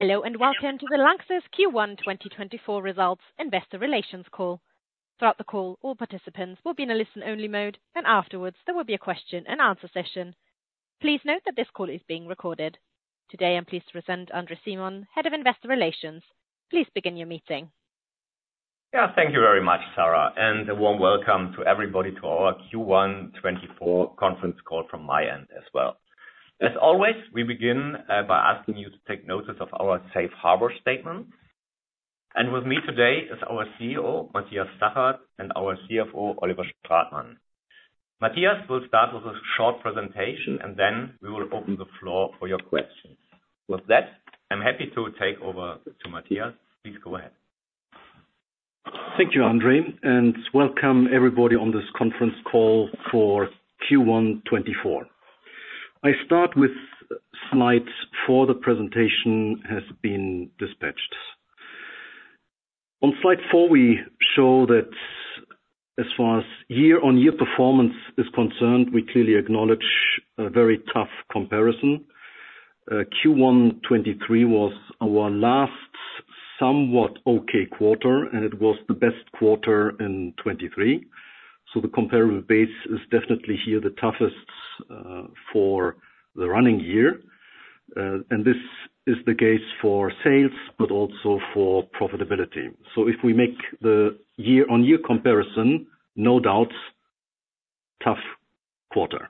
Hello and welcome to the LANXESS Q1 2024 Results Investor Relations Call. Throughout the call, all participants will be in a listen-only mode, and afterwards there will be a question-and-answer session. Please note that this call is being recorded. Today I'm pleased to present Andre Simon, Head of Investor Relations. Please begin your meeting. Yeah, thank you very much, Sarah, and a warm welcome to everybody to our Q1 2024 conference call from my end as well. As always, we begin by asking you to take notice of our safe harbor statements. With me today is our CEO, Matthias Zachert, and our CFO, Oliver Stratmann. Matthias will start with a short presentation, and then we will open the floor for your questions. With that, I'm happy to take over to Matthias. Please go ahead. Thank you, Andre, and welcome everybody on this conference call for Q1 2024. I start with slide four the presentation has been dispatched. On slide four, we show that as far as year-on-year performance is concerned, we clearly acknowledge a very tough comparison. Q1 2023 was our last somewhat okay quarter, and it was the best quarter in 2023. The comparable base is definitely here the toughest for the running year. This is the case for sales but also for profitability. If we make the year-on-year comparison, no doubt tough quarter.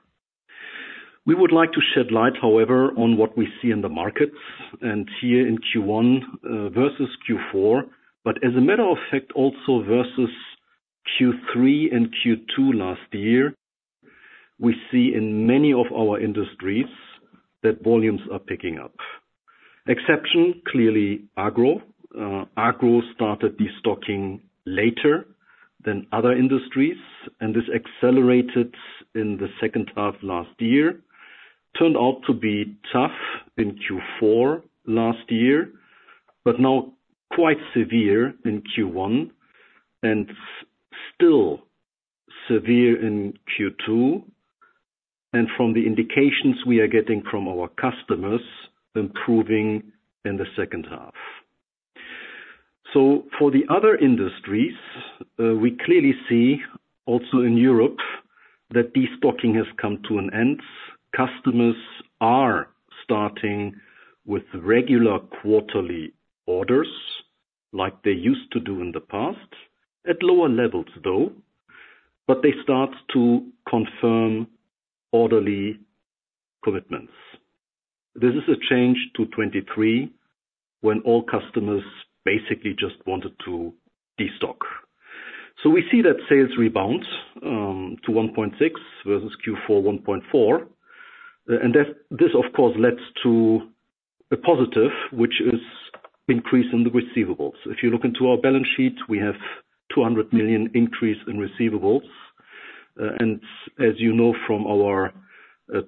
We would like to shed light, however, on what we see in the markets and here in Q1 versus Q4, but as a matter of fact, also versus Q3 and Q2 last year, we see in many of our industries that volumes are picking up. Exception: clearly, agro. Agro started destocking later than other industries, and this accelerated in the second half last year. It turned out to be tough in Q4 last year but now quite severe in Q1 and still severe in Q2. From the indications we are getting from our customers, improving in the second half. For the other industries, we clearly see also in Europe that destocking has come to an end. Customers are starting with regular quarterly orders like they used to do in the past at lower levels, though, but they start to confirm quarterly commitments. This is a change to 2023 when all customers basically just wanted to destock. We see that sales rebound to 1.6 versus Q4 1.4. And this, of course, led to a positive, which is increase in the receivables. If you look into our balance sheet, we have 200 million increase in receivables. And as you know from our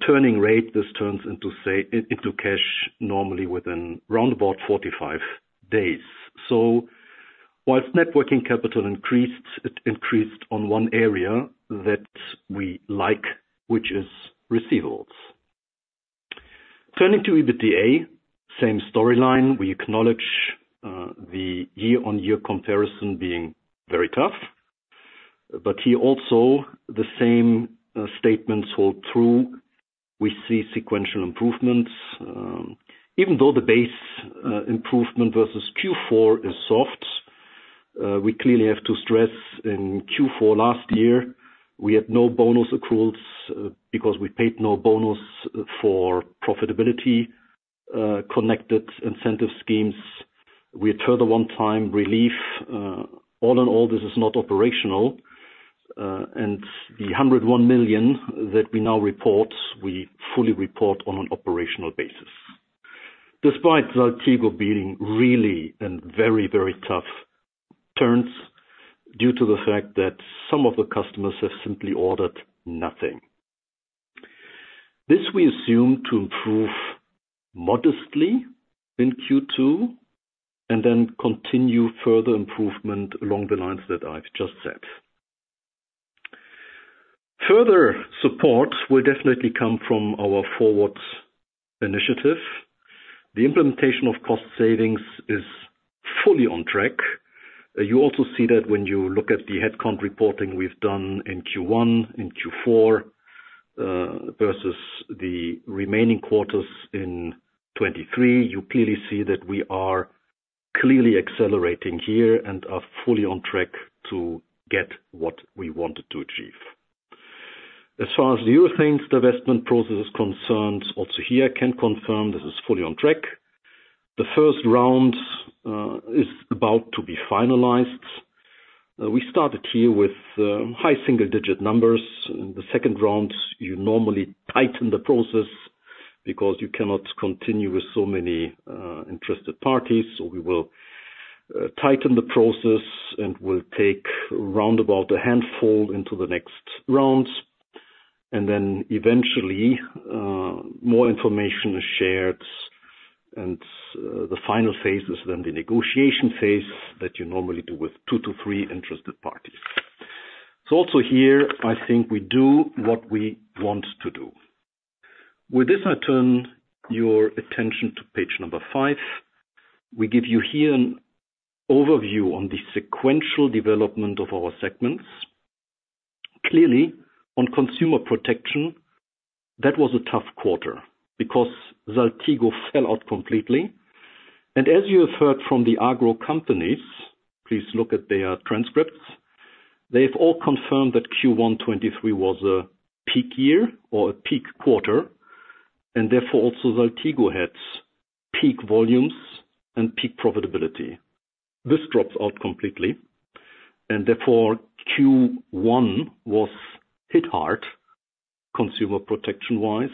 turning rate, this turns into cash normally within roundabout 45 days. So while net working capital increased, it increased on one area that we like, which is receivables. Turning to EBITDA, same storyline. We acknowledge the year-on-year comparison being very tough. But here also, the same statements hold true. We see sequential improvements. Even though the base improvement versus Q4 is soft, we clearly have to stress, in Q4 last year, we had no bonus accruals because we paid no bonus for profitability-connected incentive schemes. We had further one-time relief. All in all, this is not operational. And the 101 million that we now report, we fully report on an operational basis despite Saltigo being really in very, very tough turns due to the fact that some of the customers have simply ordered nothing. This we assume to improve modestly in Q2 and then continue further improvement along the lines that I've just said. Further support will definitely come from our FORWARD! initiative. The implementation of cost savings is fully on track. You also see that when you look at the headcount reporting we've done in Q1, in Q4, versus the remaining quarters in 2023, you clearly see that we are clearly accelerating here and are fully on track to get what we wanted to achieve. As far as the Urethanes divestment process is concerned, also here I can confirm this is fully on track. The first round is about to be finalized. We started here with high single-digit numbers. In the second round, you normally tighten the process because you cannot continue with so many interested parties. So we will tighten the process and will take roundabout a handful into the next round. And then eventually, more information is shared. And the final phase is then the negotiation phase that you normally do with two to three interested parties. So also here, I think we do what we want to do. With this, I turn your attention to page number five. We give you here an overview on the sequential development of our segments. Clearly, on Consumer Protection, that was a tough quarter because Saltigo fell out completely. And as you have heard from the agro companies please look at their transcripts they have all confirmed that Q1 2023 was a peak year or a peak quarter. And therefore, also Saltigo had peak volumes and peak profitability. This drops out completely. And therefore, Q1 was hit hard Consumer Protection-wise,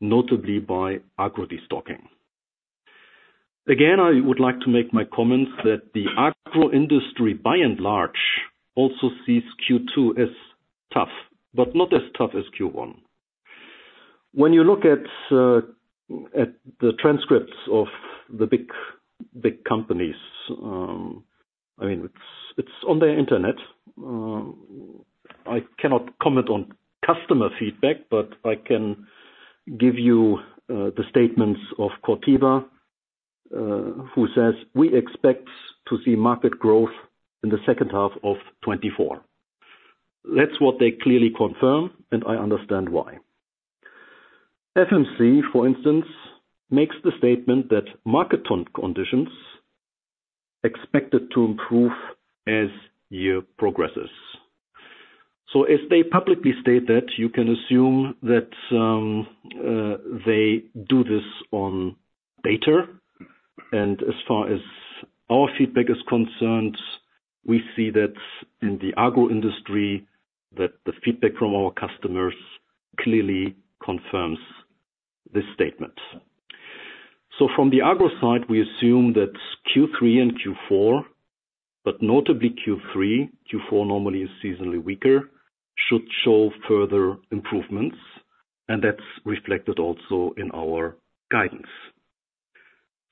notably by agro destocking. Again, I would like to make my comments that the agro industry by and large also sees Q2 as tough but not as tough as Q1. When you look at the transcripts of the big companies I mean, it's on their internet, I cannot comment on customer feedback, but I can give you the statements of Corteva, who says, "We expect to see market growth in the second half of 2024." That's what they clearly confirm, and I understand why. FMC, for instance, makes the statement that market conditions are expected to improve as year progresses. So as they publicly state that, you can assume that they do this on data. And as far as our feedback is concerned, we see that in the agro industry, the feedback from our customers clearly confirms this statement. So from the agro side, we assume that Q3 and Q4, but notably Q3, Q4 normally is seasonally weaker, should show further improvements. And that's reflected also in our guidance.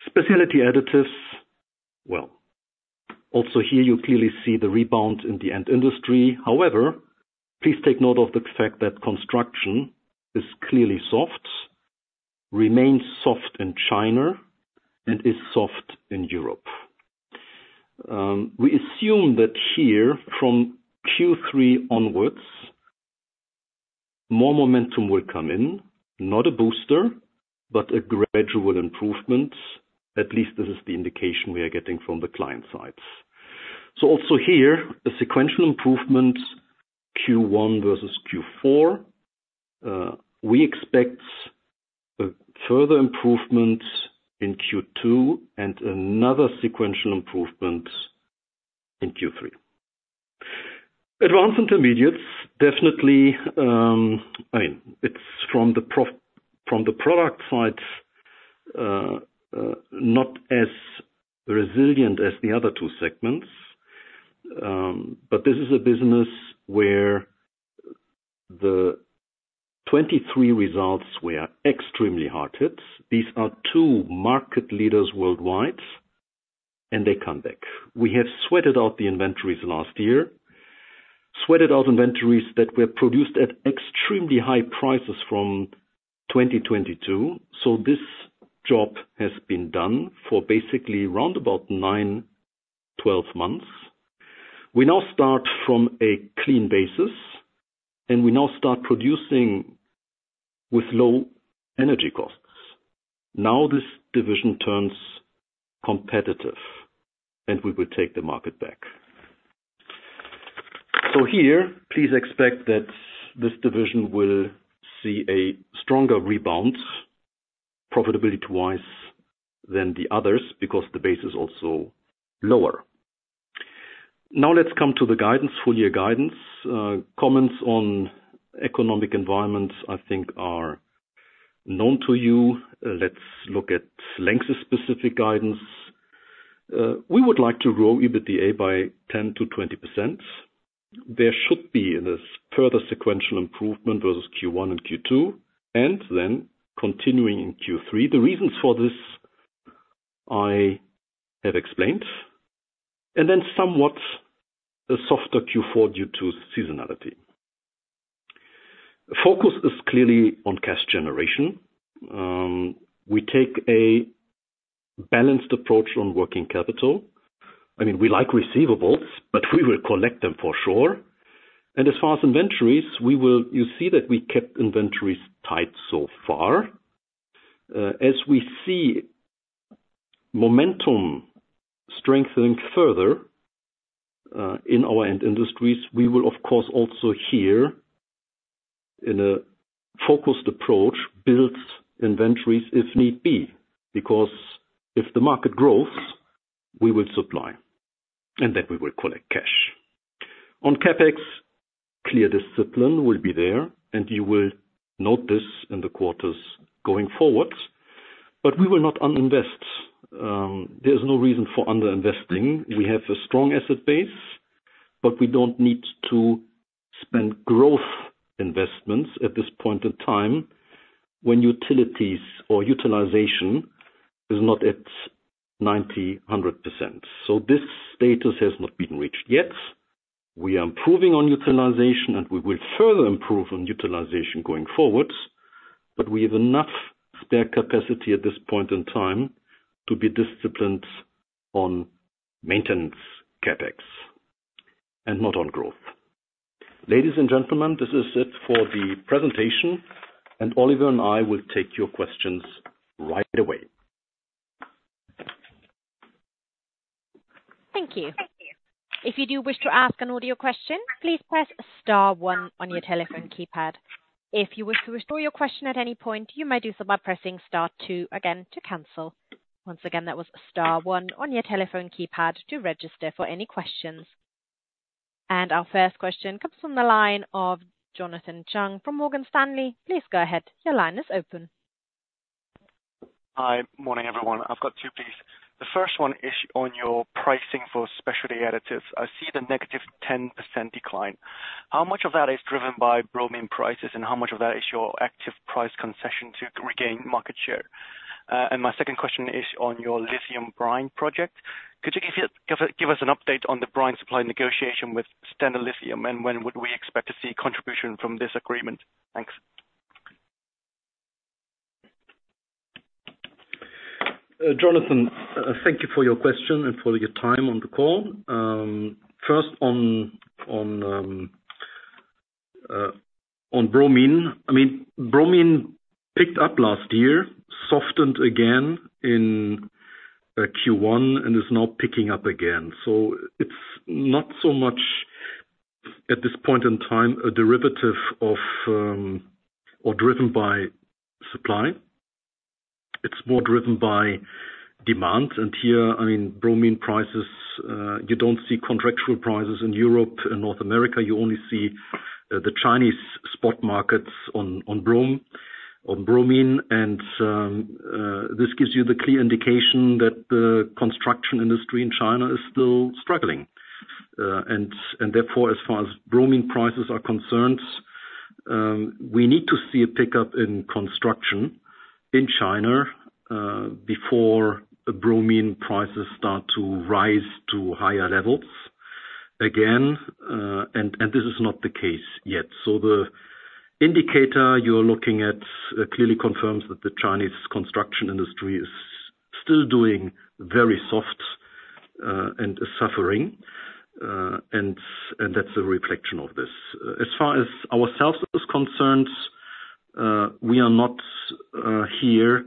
Specialty Additives? Well, also here, you clearly see the rebound in the end industry. However, please take note of the fact that construction is clearly soft, remains soft in China, and is soft in Europe. We assume that here from Q3 onwards, more momentum will come in, not a booster but a gradual improvement. At least this is the indication we are getting from the client sides. So also here, a sequential improvement Q1 versus Q4. We expect further improvements in Q2 and another sequential improvement in Q3. Advanced Intermediates? Definitely. I mean, it's from the product side, not as resilient as the other two segments. But this is a business where the 2023 results were extremely hard-hit. These are two market leaders worldwide, and they come back. We have sweated out the inventories last year, sweated out inventories that were produced at extremely high prices from 2022. So this job has been done for basically roundabout nine to 12 months. We now start from a clean basis, and we now start producing with low energy costs. Now this division turns competitive, and we will take the market back. So here, please expect that this division will see a stronger rebound, profitability-wise than the others because the base is also lower. Now let's come to the guidance, full-year guidance. Comments on economic environment, I think, are known to you. Let's look at LANXESS-specific guidance. We would like to grow EBITDA by 10%-20%. There should be this further sequential improvement versus Q1 and Q2 and then continuing in Q3. The reasons for this I have explained. And then somewhat a softer Q4 due to seasonality. Focus is clearly on cash generation. We take a balanced approach on working capital. I mean, we like receivables, but we will collect them for sure. And as far as inventories, you see that we kept inventories tight so far. As we see momentum strengthening further in our end industries, we will, of course, also here in a focused approach, build inventories if need be because if the market grows, we will supply and then we will collect cash. On CapEx, clear discipline will be there, and you will note this in the quarters going forward. But we will not uninvest. There is no reason for underinvesting. We have a strong asset base, but we don't need to spend growth investments at this point in time when utilization is not at 90%-100%. So this status has not been reached yet. We are improving on utilization, and we will further improve on utilization going forward. But we have enough spare capacity at this point in time to be disciplined on maintenance CapEx and not on growth. Ladies and gentlemen, this is it for the presentation. And Oliver and I will take your questions right away. Thank you. If you do wish to ask an audio question, please press star one on your telephone keypad. If you wish to restore your question at any point, you may do so by pressing star two again to cancel. Once again, that was star one on your telephone keypad to register for any questions. Our first question comes from the line of Jonathan Chung from Morgan Stanley. Please go ahead. Your line is open. Hi. Morning, everyone. I've got two, please. The first one is on your pricing for Specialty Additives. I see the negative 10% decline. How much of that is driven by bromine prices, and how much of that is your active price concession to regain market share? And my second question is on your lithium brine project. Could you give us an update on the brine supply negotiation with Standard Lithium, and when would we expect to see contribution from this agreement? Thanks. Jonathan, thank you for your question and for your time on the call. First, on bromine, I mean, bromine picked up last year, softened again in Q1, and is now picking up again. So it's not so much at this point in time a derivative or driven by supply. It's more driven by demand. And here, I mean, bromine prices, you don't see contractual prices in Europe and North America. You only see the Chinese spot markets on bromine and this gives you the clear indication that the construction industry in China is still struggling. And therefore, as far as bromine prices are concerned, we need to see a pickup in construction in China before bromine prices start to rise to higher levels again. And this is not the case yet. The indicator you are looking at clearly confirms that the Chinese construction industry is still doing very soft and is suffering. That's a reflection of this. As far as ourselves are concerned, we are not here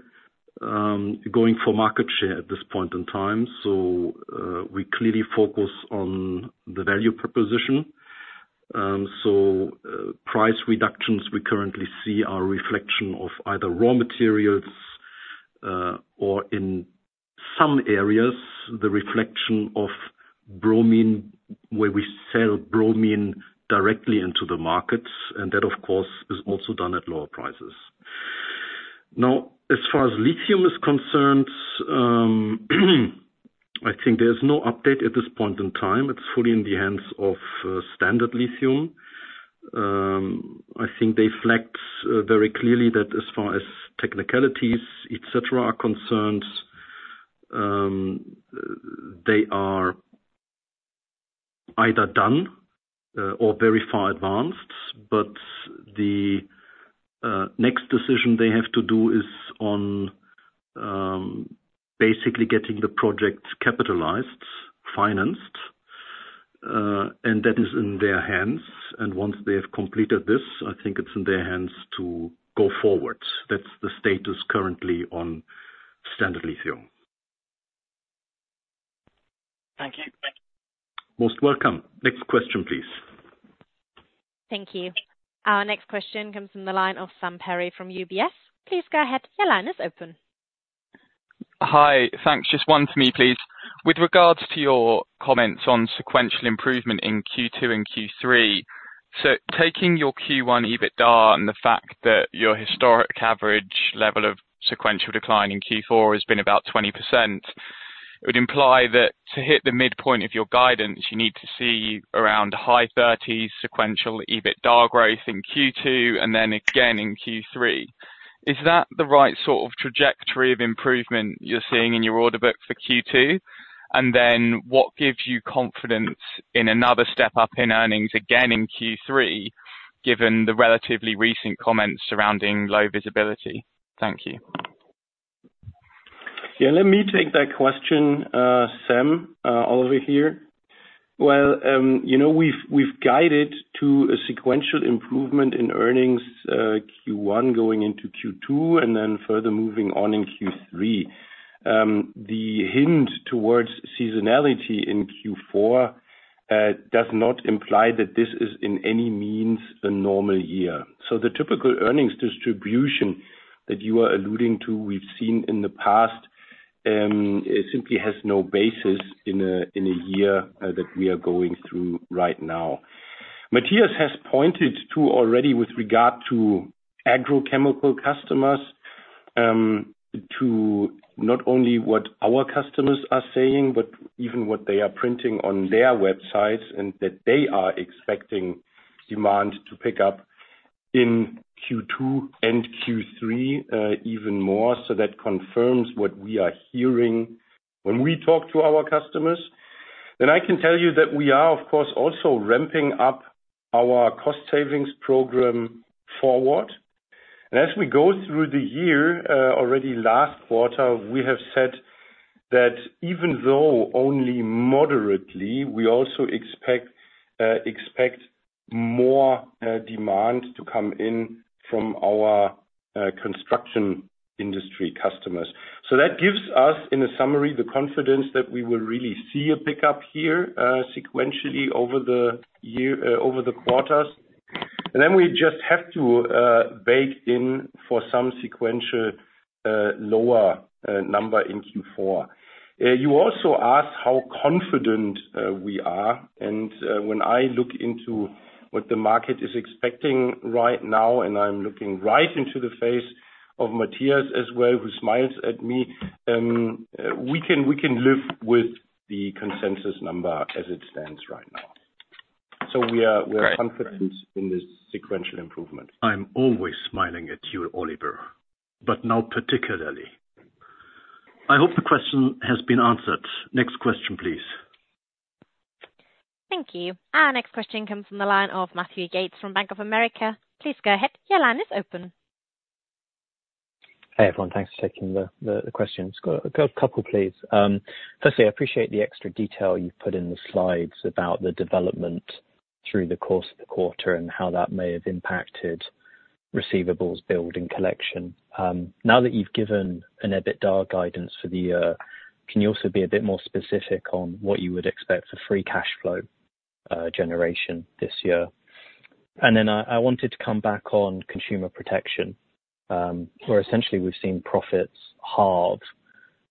going for market share at this point in time. We clearly focus on the value proposition. Price reductions we currently see are a reflection of either raw materials or in some areas, the reflection of bromine where we sell bromine directly into the markets. That, of course, is also done at lower prices. Now, as far as lithium is concerned, I think there is no update at this point in time. It's fully in the hands of Standard Lithium. I think they flagged very clearly that as far as technicalities, etc., are concerned, they are either done or very far advanced. The next decision they have to do is on basically getting the project capitalized, financed. That is in their hands. Once they have completed this, I think it's in their hands to go forward. That's the status currently on Standard Lithium. Thank you. Most welcome. Next question, please. Thank you. Our next question comes from the line of Sam Perry from UBS. Please go ahead. Your line is open. Hi. Thanks. Just one for me, please. With regards to your comments on sequential improvement in Q2 and Q3, so taking your Q1 EBITDA and the fact that your historic average level of sequential decline in Q4 has been about 20%, it would imply that to hit the midpoint of your guidance, you need to see around high 30s sequential EBITDA growth in Q2 and then again in Q3. Is that the right sort of trajectory of improvement you're seeing in your order book for Q2? And then what gives you confidence in another step up in earnings again in Q3 given the relatively recent comments surrounding low visibility? Thank you. Yeah. Let me take that question, Sam, over here. Well, we've guided to a sequential improvement in earnings Q1 going into Q2 and then further moving on in Q3. The hint towards seasonality in Q4 does not imply that this is in any means a normal year. So the typical earnings distribution that you are alluding to we've seen in the past simply has no basis in a year that we are going through right now. Matthias has pointed to already with regard to agrochemical customers to not only what our customers are saying but even what they are printing on their websites and that they are expecting demand to pick up in Q2 and Q3 even more. So that confirms what we are hearing when we talk to our customers. And I can tell you that we are, of course, also ramping up our cost-savings program forward. As we go through the year, already last quarter, we have said that even though only moderately, we also expect more demand to come in from our construction industry customers. So that gives us, in a summary, the confidence that we will really see a pickup here sequentially over the quarters. And then we just have to bake in for some sequential lower number in Q4. You also asked how confident we are. And when I look into what the market is expecting right now, and I'm looking right into the face of Matthias as well who smiles at me, we can live with the consensus number as it stands right now. So we are confident in this sequential improvement. I'm always smiling at you, Oliver, but now particularly. I hope the question has been answered. Next question, please. Thank you. Our next question comes from the line of Matthew Yates from Bank of America. Please go ahead. Your line is open. Hey, everyone. Thanks for taking the questions. Got a couple, please. Firstly, I appreciate the extra detail you've put in the slides about the development through the course of the quarter and how that may have impacted receivables build and collection. Now that you've given an EBITDA guidance for the year, can you also be a bit more specific on what you would expect for free cash flow generation this year? And then I wanted to come back on Consumer Protection where, essentially, we've seen profits halve,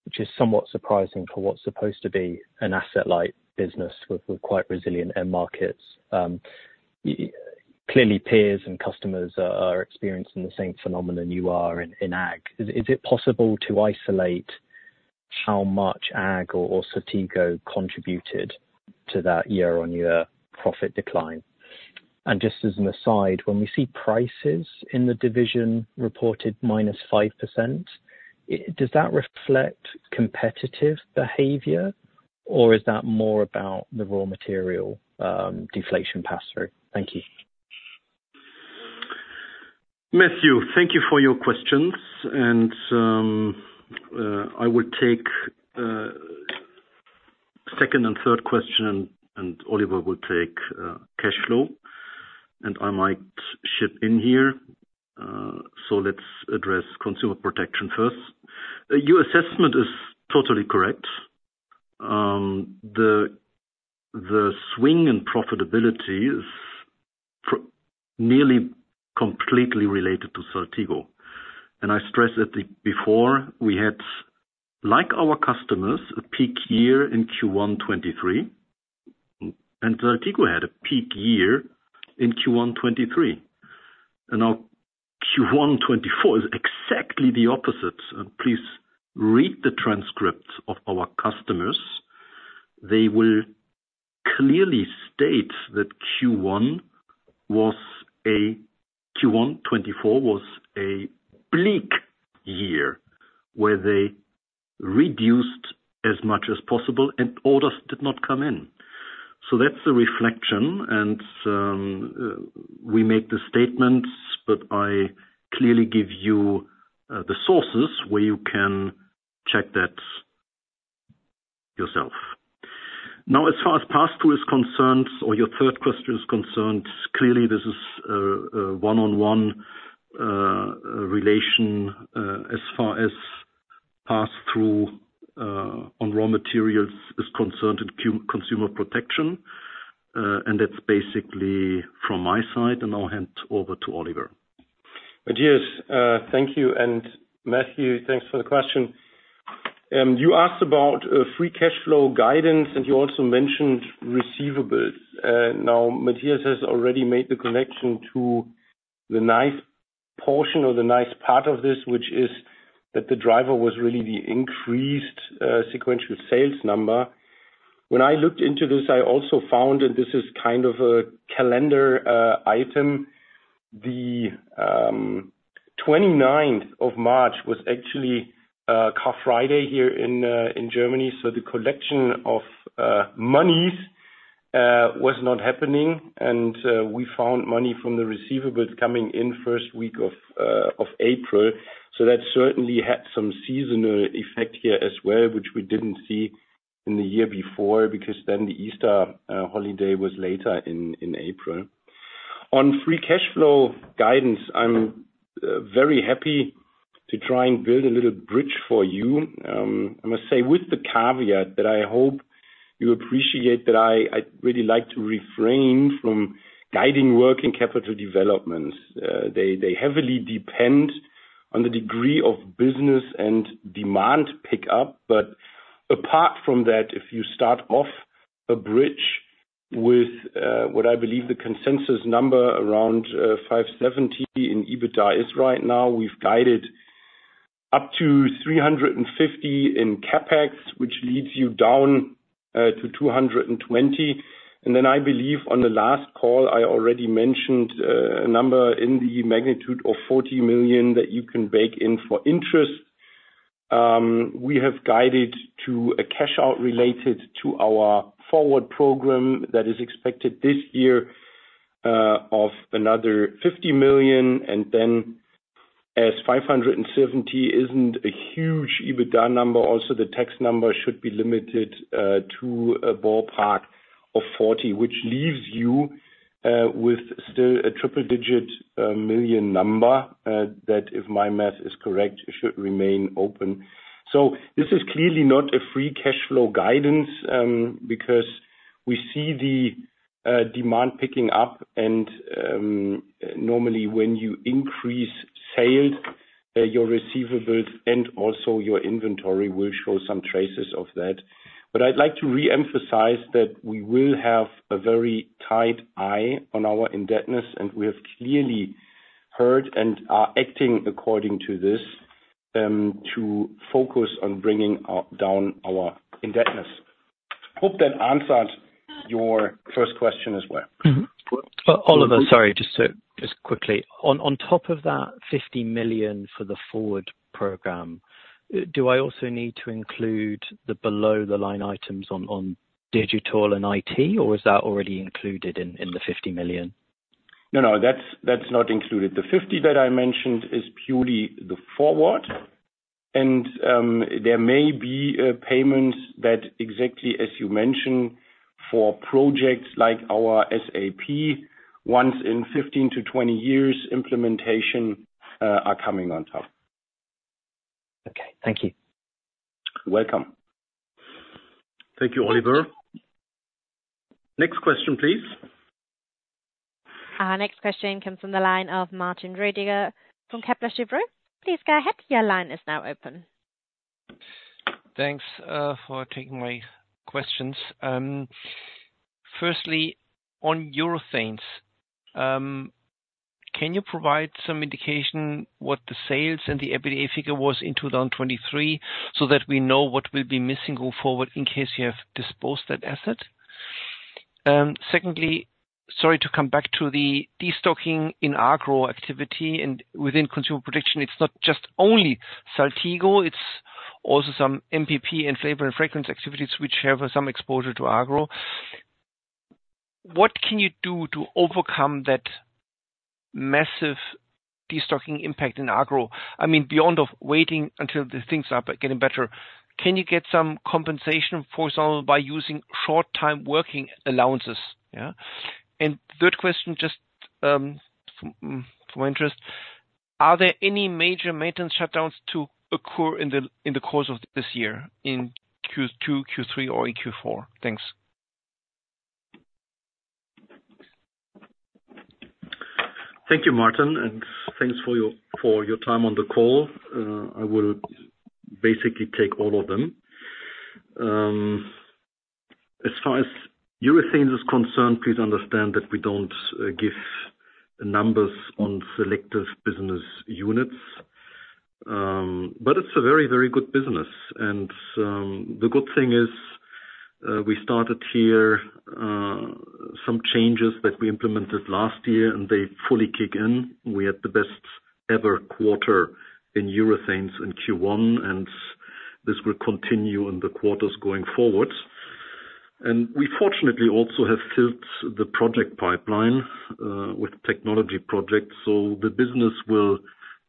which is somewhat surprising for what's supposed to be an asset-light business with quite resilient end markets. Clearly, peers and customers are experiencing the same phenomenon you are in ag. Is it possible to isolate how much ag or Saltigo contributed to that year-on-year profit decline? Just as an aside, when we see prices in the division reported -5%, does that reflect competitive behavior, or is that more about the raw material deflation pass-through? Thank you. Matthew, thank you for your questions. I will take second and third question, and Oliver will take cash flow. I might chip in here. So let's address consumer protection first. Your assessment is totally correct. The swing in profitability is nearly completely related to Saltigo. I stressed it before. We had, like our customers, a peak year in Q1 2023. Saltigo had a peak year in Q1 2023. Now Q1 2024 is exactly the opposite. Please read the transcript of our customers. They will clearly state that Q1 2024 was a bleak year where they reduced as much as possible, and orders did not come in. So that's a reflection. We make the statements, but I clearly give you the sources where you can check that yourself. Now, as far as pass-through is concerned or your third question is concerned, clearly, this is a one-on-one relation as far as pass-through on raw materials is concerned in Consumer Protection. And that's basically from my side. And now hand over to Oliver. Matthias, thank you. And Matthew, thanks for the question. You asked about free cash flow guidance, and you also mentioned receivables. Now, Matthias has already made the connection to the nice portion or the nice part of this, which is that the driver was really the increased sequential sales number. When I looked into this, I also found, and this is kind of a calendar item, the March 29th was actually Karfreitag here in Germany. So the collection of monies was not happening. And we found money from the receivables coming in first week of April. So that certainly had some seasonal effect here as well, which we didn't see in the year before because then the easter holiday was later in April. On free cash flow guidance, I'm very happy to try and build a little bridge for you. I must say with the caveat that I hope you appreciate that I'd really like to refrain from guiding working capital developments. They heavily depend on the degree of business and demand pickup. But apart from that, if you start off a bridge with what I believe the consensus number around 570 million in EBITDA is right now, we've guided up to 350 million in CapEx, which leads you down to 220 million. And then I believe on the last call, I already mentioned a number in the magnitude of 40 million that you can bake in for interest. We have guided to a cash out related to our forward program that is expected this year of another 50 million. And then as 570 isn't a huge EBITDA number, also the tax number should be limited to a ballpark of 40, which leaves you with still a triple-digit million number that, if my math is correct, should remain open. So this is clearly not a free cash flow guidance because we see the demand picking up. And normally, when you increase sales, your receivables and also your inventory will show some traces of that. But I'd like to reemphasize that we will have a very tight eye on our indebtedness. And we have clearly heard and are acting according to this to focus on bringing down our indebtedness. Hope that answered your first question as well. Oliver, sorry, just quickly. On top of that 50 million for the FORWARD! program, do I also need to include the below-the-line items on digital and IT, or is that already included in the 50 million? No, no. That's not included. The 50 million that I mentioned is purely the forward. And there may be payments that, exactly as you mentioned, for projects like our SAP, once in 15 to 20 years, implementation are coming on top. Okay. Thank you. Welcome. Thank you, Oliver. Next question, please. Our next question comes from the line of Martin Roediger from Kepler Cheuvreux. Please go ahead. Your line is now open. Thanks for taking my questions. Firstly, on your things, can you provide some indication what the sales and the EBITDA figure was in 2023 so that we know what will be missing going forward in case you have disposed that asset? Secondly, sorry to come back to the destocking in agro activity. Within consumer protection, it's not just only Saltigo. It's also some MPP and flavor and fragrance activities which have some exposure to agro. What can you do to overcome that massive destocking impact in agro? I mean, beyond waiting until the things are getting better, can you get some compensation, for example, by using short-time working allowances? Yeah? Third question, just for my interest, are there any major maintenance shutdowns to occur in the course of this year in Q2, Q3, or in Q4? Thanks. Thank you, Martin. Thanks for your time on the call. I will basically take all of them. As far as your things are concerned, please understand that we don't give numbers on selective business units. It's a very, very good business. The good thing is we started here some changes that we implemented last year, and they fully kick in. We had the best-ever quarter in your things in Q1. This will continue in the quarters going forward. We fortunately also have filled the project pipeline with technology projects. So the business will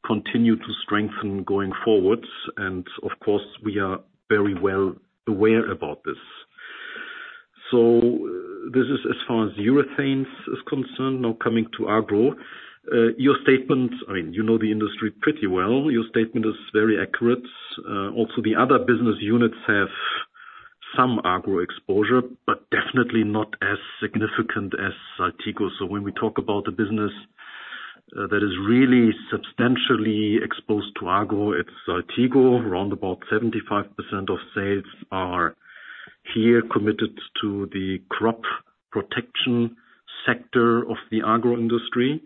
continue to strengthen going forward. Of course, we are very well aware about this. So this is as far as your things are concerned, now coming to agro. I mean, you know the industry pretty well. Your statement is very accurate. Also, the other business units have some agro exposure but definitely not as significant as Saltigo. So when we talk about the business that is really substantially exposed to agro, it's Saltigo. Round about 75% of sales are here committed to the crop protection sector of the agro industry.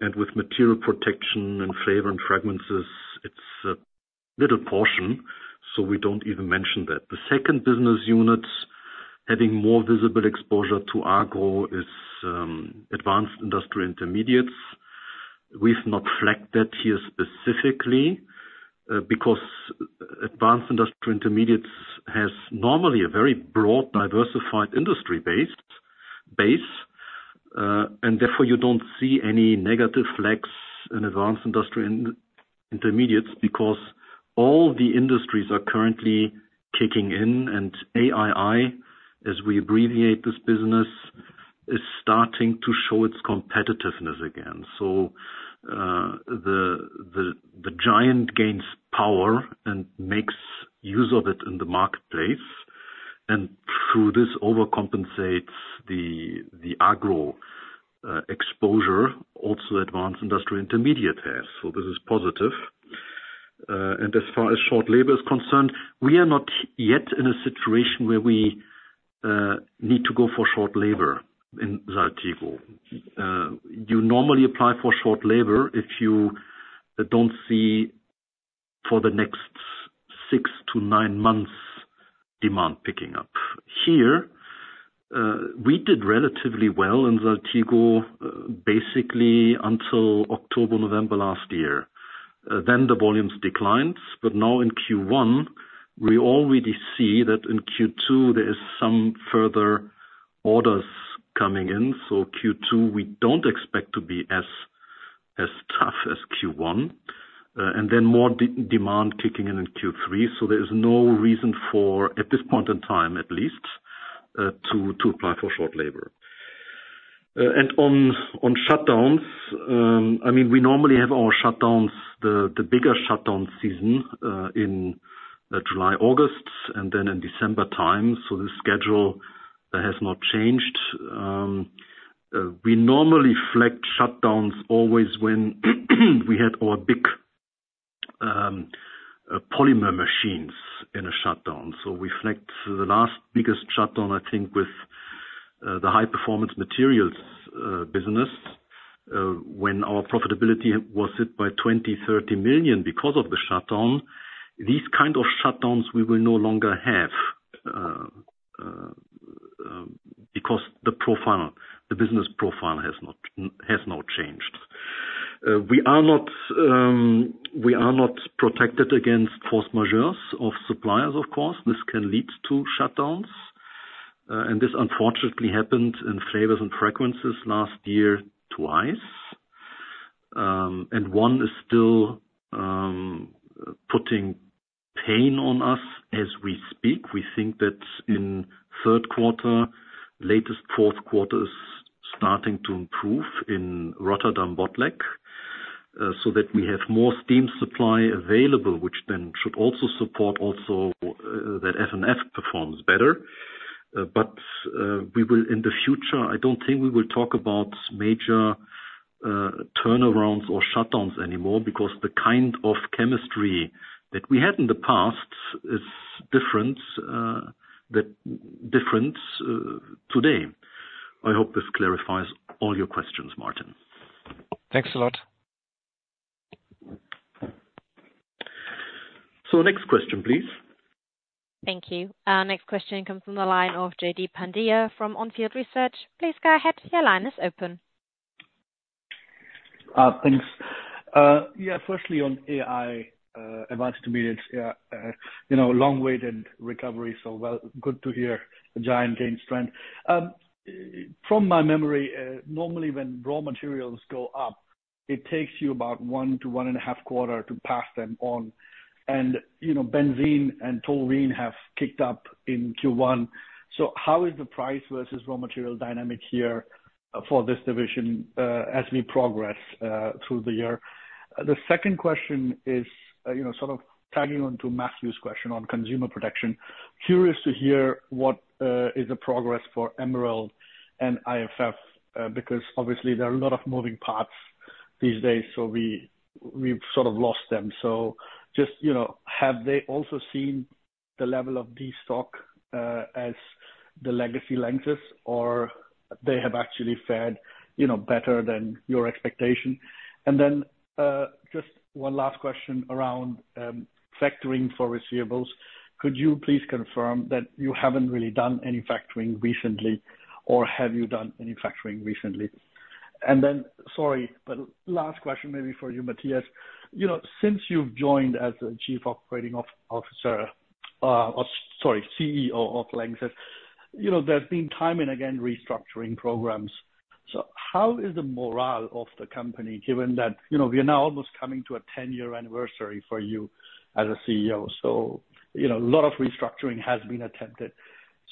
And with material protection and flavor and fragrances, it's a little portion. So we don't even mention that. The second business unit having more visible exposure to agro is Advanced Intermediates. We've not flagged that here specifically because Advanced Intermediates has normally a very broad, diversified industry base. And therefore, you don't see any negative flags in Advanced Intermediates because all the industries are currently kicking in. And AII, as we abbreviate this business, is starting to show its competitiveness again. So the AII gains power and makes use of it in the marketplace. Through this, overcompensates the agro exposure also Advanced Intermediates has. So this is positive. And as far as short labor is concerned, we are not yet in a situation where we need to go for short labor in Saltigo. You normally apply for short labor if you don't see for the next six to nine months demand picking up. Here, we did relatively well in Saltigo basically until October, November last year. Then the volumes declined. But now in Q1, we already see that in Q2, there is some further orders coming in. So Q2, we don't expect to be as tough as Q1. And then more demand kicking in in Q3. So there is no reason for, at this point in time at least, to apply for short labor. And on shutdowns, I mean, we normally have our shutdowns, the bigger shutdown season in July, August, and then in December time. So the schedule has not changed. We normally flagged shutdowns always when we had our big polymer machines in a shutdown. So we flagged the last biggest shutdown, I think, with the high-performance materials business when our profitability was hit by 20 million - 30 million because of the shutdown. These kind of shutdowns, we will no longer have because the business profile has now changed. We are not protected against Force Majeure of suppliers, of course. This can lead to shutdowns. And this unfortunately happened in flavors and fragrances last year twice. And one is still putting pain on us as we speak. We think that in Q3, latest Q4 is starting to improve in Rotterdam Botlek so that we have more steam supply available, which then should also support also that F&F performs better. But in the future, I don't think we will talk about major turnarounds or shutdowns anymore because the kind of chemistry that we had in the past is different today. I hope this clarifies all your questions, Martin. Thanks a lot. Next question, please. Thank you. Next question comes from the line of Jaideep Pandya from Onfield Research. Please go ahead. Your line is open. Thanks. Yeah, firstly, on AI, Advanced Intermediates, long-awaited recovery. So good to hear the guidance gaining strength. From my memory, normally when raw materials go up, it takes you about one to one and a half quarters to pass them on. And benzene and toluene have kicked up in Q1. So how is the price versus raw material dynamic here for this division as we progress through the year? The second question is sort of tagging onto Matthew's question on Consumer Protection. Curious to hear what is the progress for Emerald and IFF because obviously, there are a lot of moving parts these days. So we've sort of lost them. So just have they also seen the level of destocking as the legacy LANXESS, or they have actually fared better than your expectation? And then just one last question around factoring for receivables. Could you please confirm that you haven't really done any factoring recently, or have you done any factoring recently? And then sorry, but last question maybe for you, Matthias. Since you've joined as the chief operating officer or sorry, CEO of LANXESS, there's been time and again restructuring programs. So how is the morale of the company given that we are now almost coming to a 10-year anniversary for you as a CEO? So a lot of restructuring has been attempted.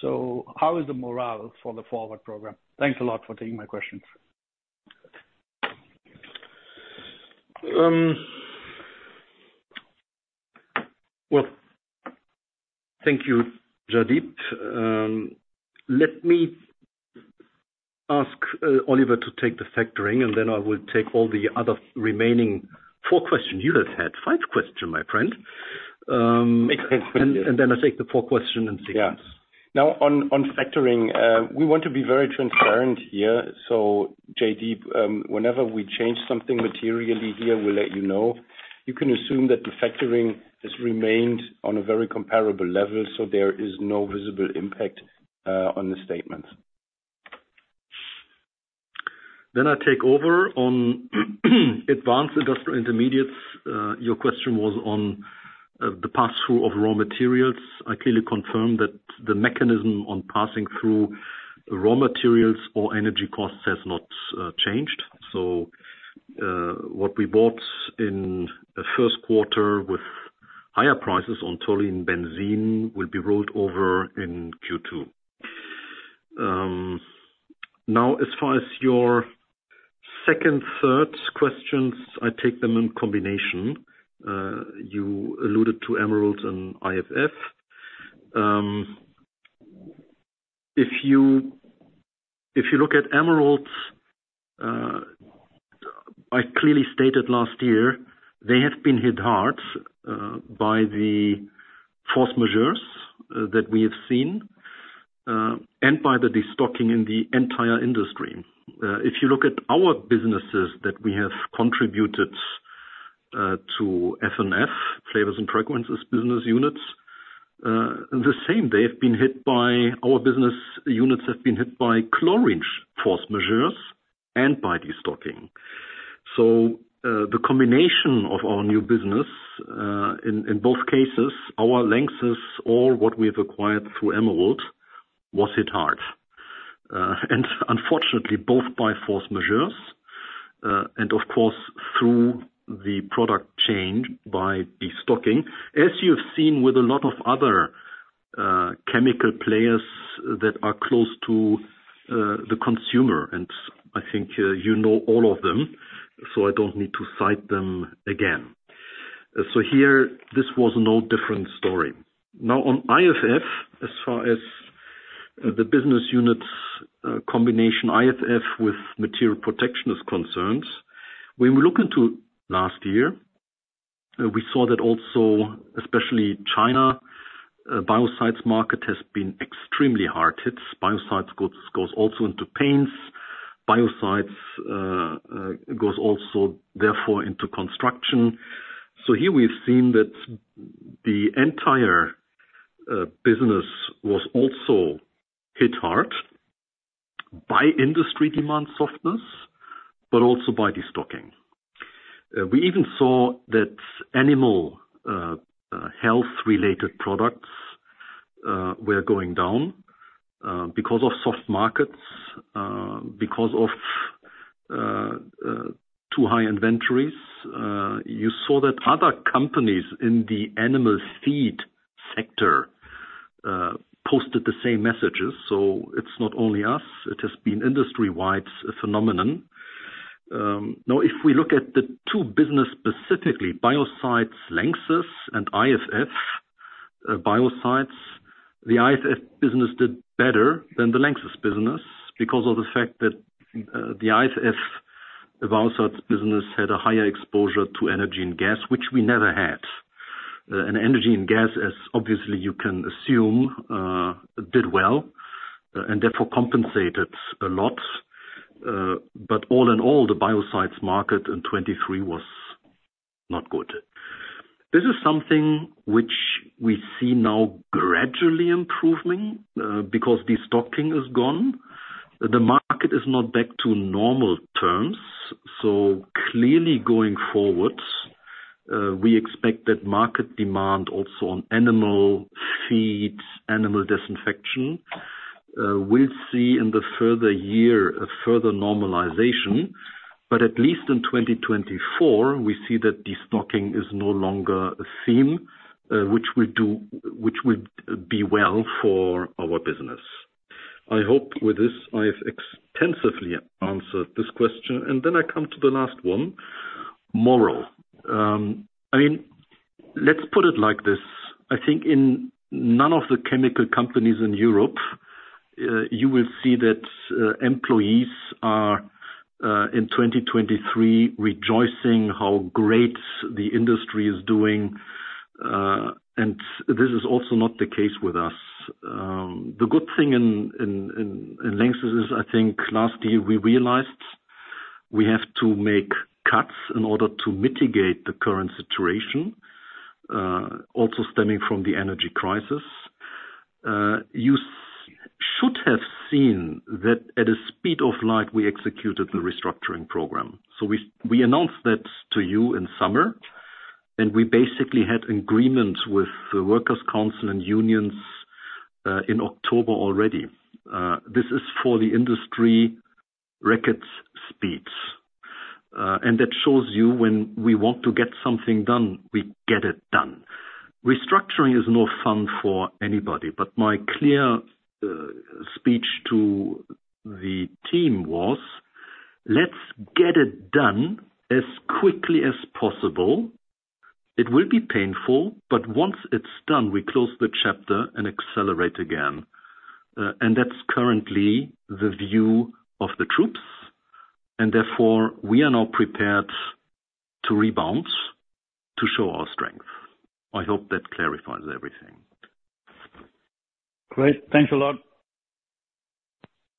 So how is the morale for the forward program? Thanks a lot for taking my questions. Well, thank you, Jaideep. Let me ask Oliver to take the factoring, and then I will take all the other remaining four questions you have had. Five questions, my friend. And then I'll take the four questions in sequence. Yeah. Now, on factoring, we want to be very transparent here. So Jaideep, whenever we change something materially here, we'll let you know. You can assume that the factoring has remained on a very comparable level. So there is no visible impact on the statements. Then I take over on Advanced Industrial Intermediates. Your question was on the pass-through of raw materials. I clearly confirm that the mechanism on passing through raw materials or energy costs has not changed. So what we bought in Q1 with higher prices on toluene and benzene will be rolled over in Q2. Now, as far as your second, third questions, I take them in combination. You alluded to Emeralds and IFF. If you look at Emeralds, I clearly stated last year, they have been hit hard by the force majeures that we have seen and by the destocking in the entire industry. If you look at our businesses that we have contributed to F&F, flavors and fragrances business units, the same, they have been hit by our business units have been hit by chlorine force majeures and by destocking. So the combination of our new business, in both cases, our LANXESS, all what we have acquired through Emeralds was hit hard. And unfortunately, both by force majeures and, of course, through the product change by destocking, as you have seen with a lot of other chemical players that are close to the consumer. And I think you know all of them. So I don't need to cite them again. So here, this was no different story. Now, on IFF, as far as the business units combination, IFF with material protection is concerned, when we look into last year, we saw that also, especially China, biocides market has been extremely hard-hit. Biocides goes also into paints. Biocides goes also, therefore, into construction. So here, we've seen that the entire business was also hit hard by industry demand softness but also by destocking. We even saw that animal health-related products were going down because of soft markets, because of too high inventories. You saw that other companies in the animal feed sector posted the same messages. So it's not only us. It has been industry-wide a phenomenon. Now, if we look at the two business specifically, biocides, LANXESS, and IFF, biocides, the IFF business did better than the LANXESS business because of the fact that the IFF, biocides business, had a higher exposure to energy and gas, which we never had. And energy and gas, as obviously you can assume, did well and therefore compensated a lot. But all in all, the biocides market in 2023 was not good. This is something which we see now gradually improving because destocking is gone. The market is not back to normal terms. So clearly, going forward, we expect that market demand also on animal feed, animal disinfection will see in the further year a further normalization. But at least in 2024, we see that destocking is no longer a theme, which will be well for our business. I hope with this, I have extensively answered this question. Then I come to the last one, morale. I mean, let's put it like this. I think in none of the chemical companies in Europe, you will see that employees are in 2023 rejoicing how great the industry is doing. And this is also not the case with us. The good thing in LANXESS is, I think, last year, we realized we have to make cuts in order to mitigate the current situation, also stemming from the energy crisis. You should have seen that at a speed of light, we executed the restructuring program. So we announced that to you in summer. We basically had agreement with the workers' council and unions in October already. This is for the industry record speeds. That shows you when we want to get something done, we get it done. Restructuring is no fun for anybody. But my clear speech to the team was, "Let's get it done as quickly as possible. It will be painful. But once it's done, we close the chapter and accelerate again." That's currently the view of the troops. Therefore, we are now prepared to rebound to show our strength. I hope that clarifies everything. Great. Thanks a lot.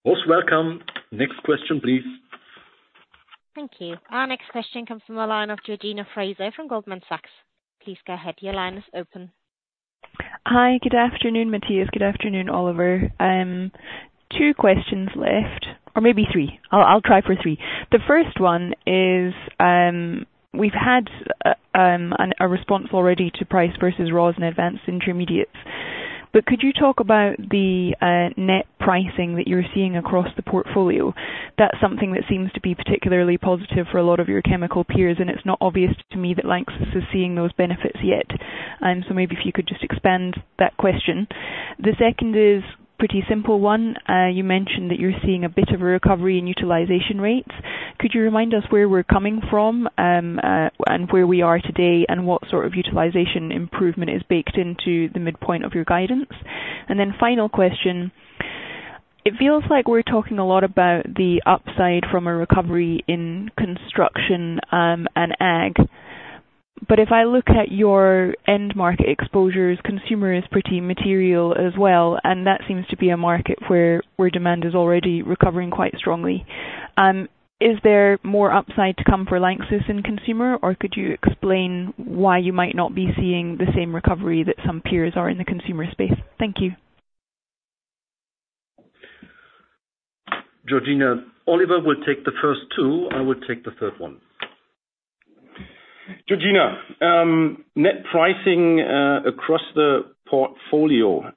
Also welcome. Next question, please. Thank you. Our next question comes from the line of Georgina Fraser from Goldman Sachs. Please go ahead. Your line is open. Hi. Good afternoon, Matthias. Good afternoon, Oliver. Two questions left or maybe three. I'll try for three. The first one is we've had a response already to price versus raws and Advanced Intermediates. But could you talk about the net pricing that you're seeing across the portfolio? That's something that seems to be particularly positive for a lot of your chemical peers. And it's not obvious to me that LANXESS is seeing those benefits yet. So maybe if you could just expand that question. The second is pretty simple one. You mentioned that you're seeing a bit of a recovery in utilization rates. Could you remind us where we're coming from and where we are today and what sort of utilization improvement is baked into the midpoint of your guidance? And then final question. It feels like we're talking a lot about the upside from a recovery in construction and ag. But if I look at your end market exposures, consumer is pretty material as well. And that seems to be a market where demand is already recovering quite strongly. Is there more upside to come for LANXESS in consumer? Or could you explain why you might not be seeing the same recovery that some peers are in the consumer space? Thank you. Georgina, Oliver will take the first two. I will take the third one. Georgina, net pricing across the portfolio.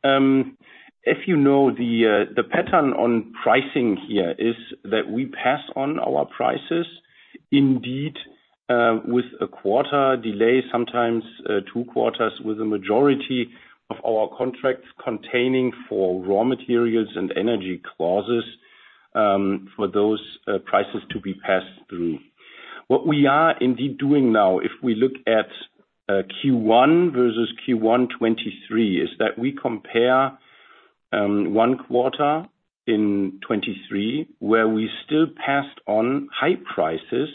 If you know, the pattern on pricing here is that we pass on our prices indeed with a quarter delay, sometimes two quarters with a majority of our contracts containing for raw materials and energy clauses for those prices to be passed through. What we are indeed doing now, if we look at Q1 versus Q1 2023, is that we compare one quarter in 2023 where we still passed on high prices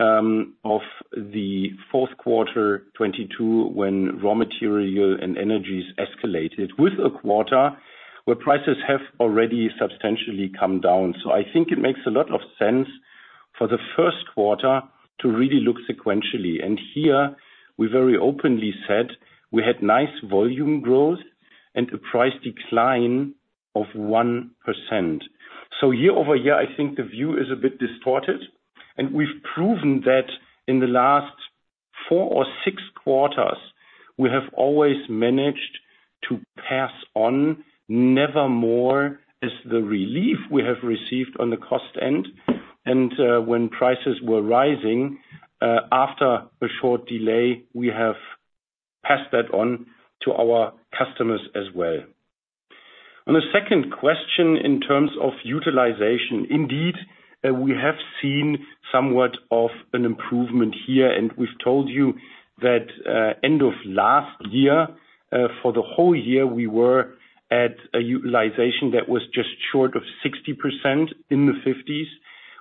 of the Q4 2022 when raw material and energy escalated with a quarter where prices have already substantially come down. So I think it makes a lot of sense for the Q1 to really look sequentially. And here, we very openly said we had nice volume growth and a price decline of 1%. So year-over-year, I think the view is a bit distorted. And we've proven that in the last four or six quarters, we have always managed to pass on. Nevertheless, the relief we have received on the cost end. And when prices were rising, after a short delay, we have passed that on to our customers as well. On the second question in terms of utilization, indeed, we have seen somewhat of an improvement here. And we've told you that end of last year, for the whole year, we were at a utilization that was just short of 60% in the 50s.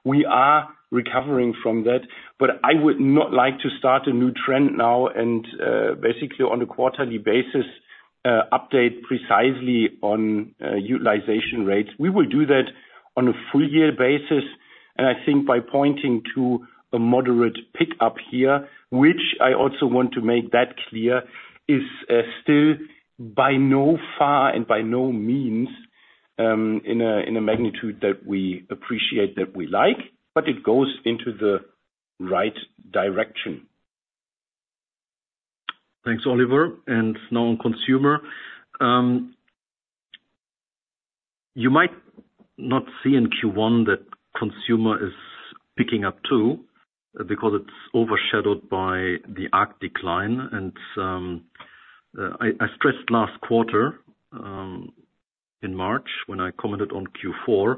We are recovering from that. But I would not like to start a new trend now and basically on a quarterly basis update precisely on utilization rates. We will do that on a full-year basis. I think by pointing to a moderate pickup here, which I also want to make that clear, is still by no means in a magnitude that we appreciate that we like. It goes in the right direction. Thanks, Oliver. And now on consumer. You might not see in Q1 that consumer is picking up too because it's overshadowed by the ag decline. And I stressed last quarter in March when I commented on Q4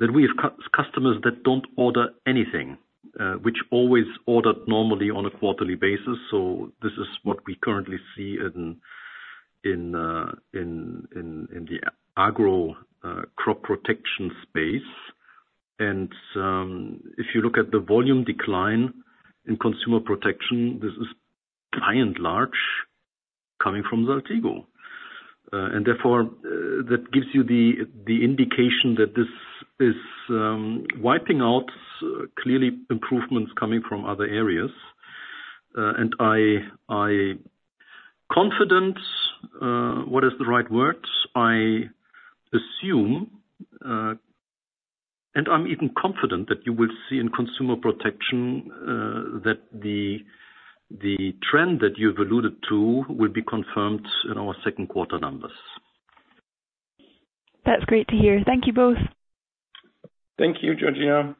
that we have customers that don't order anything, which always ordered normally on a quarterly basis. So this is what we currently see in the agro crop protection space. And if you look at the volume decline in Consumer Protection, this is by and large coming from Saltigo. And therefore, that gives you the indication that this is wiping out clearly improvements coming from other areas. And I'm confident what is the right word? I assume and I'm even confident that you will see in Consumer Protection that the trend that you've alluded to will be confirmed in our second quarter numbers. That's great to hear. Thank you both. Thank you, Georgina.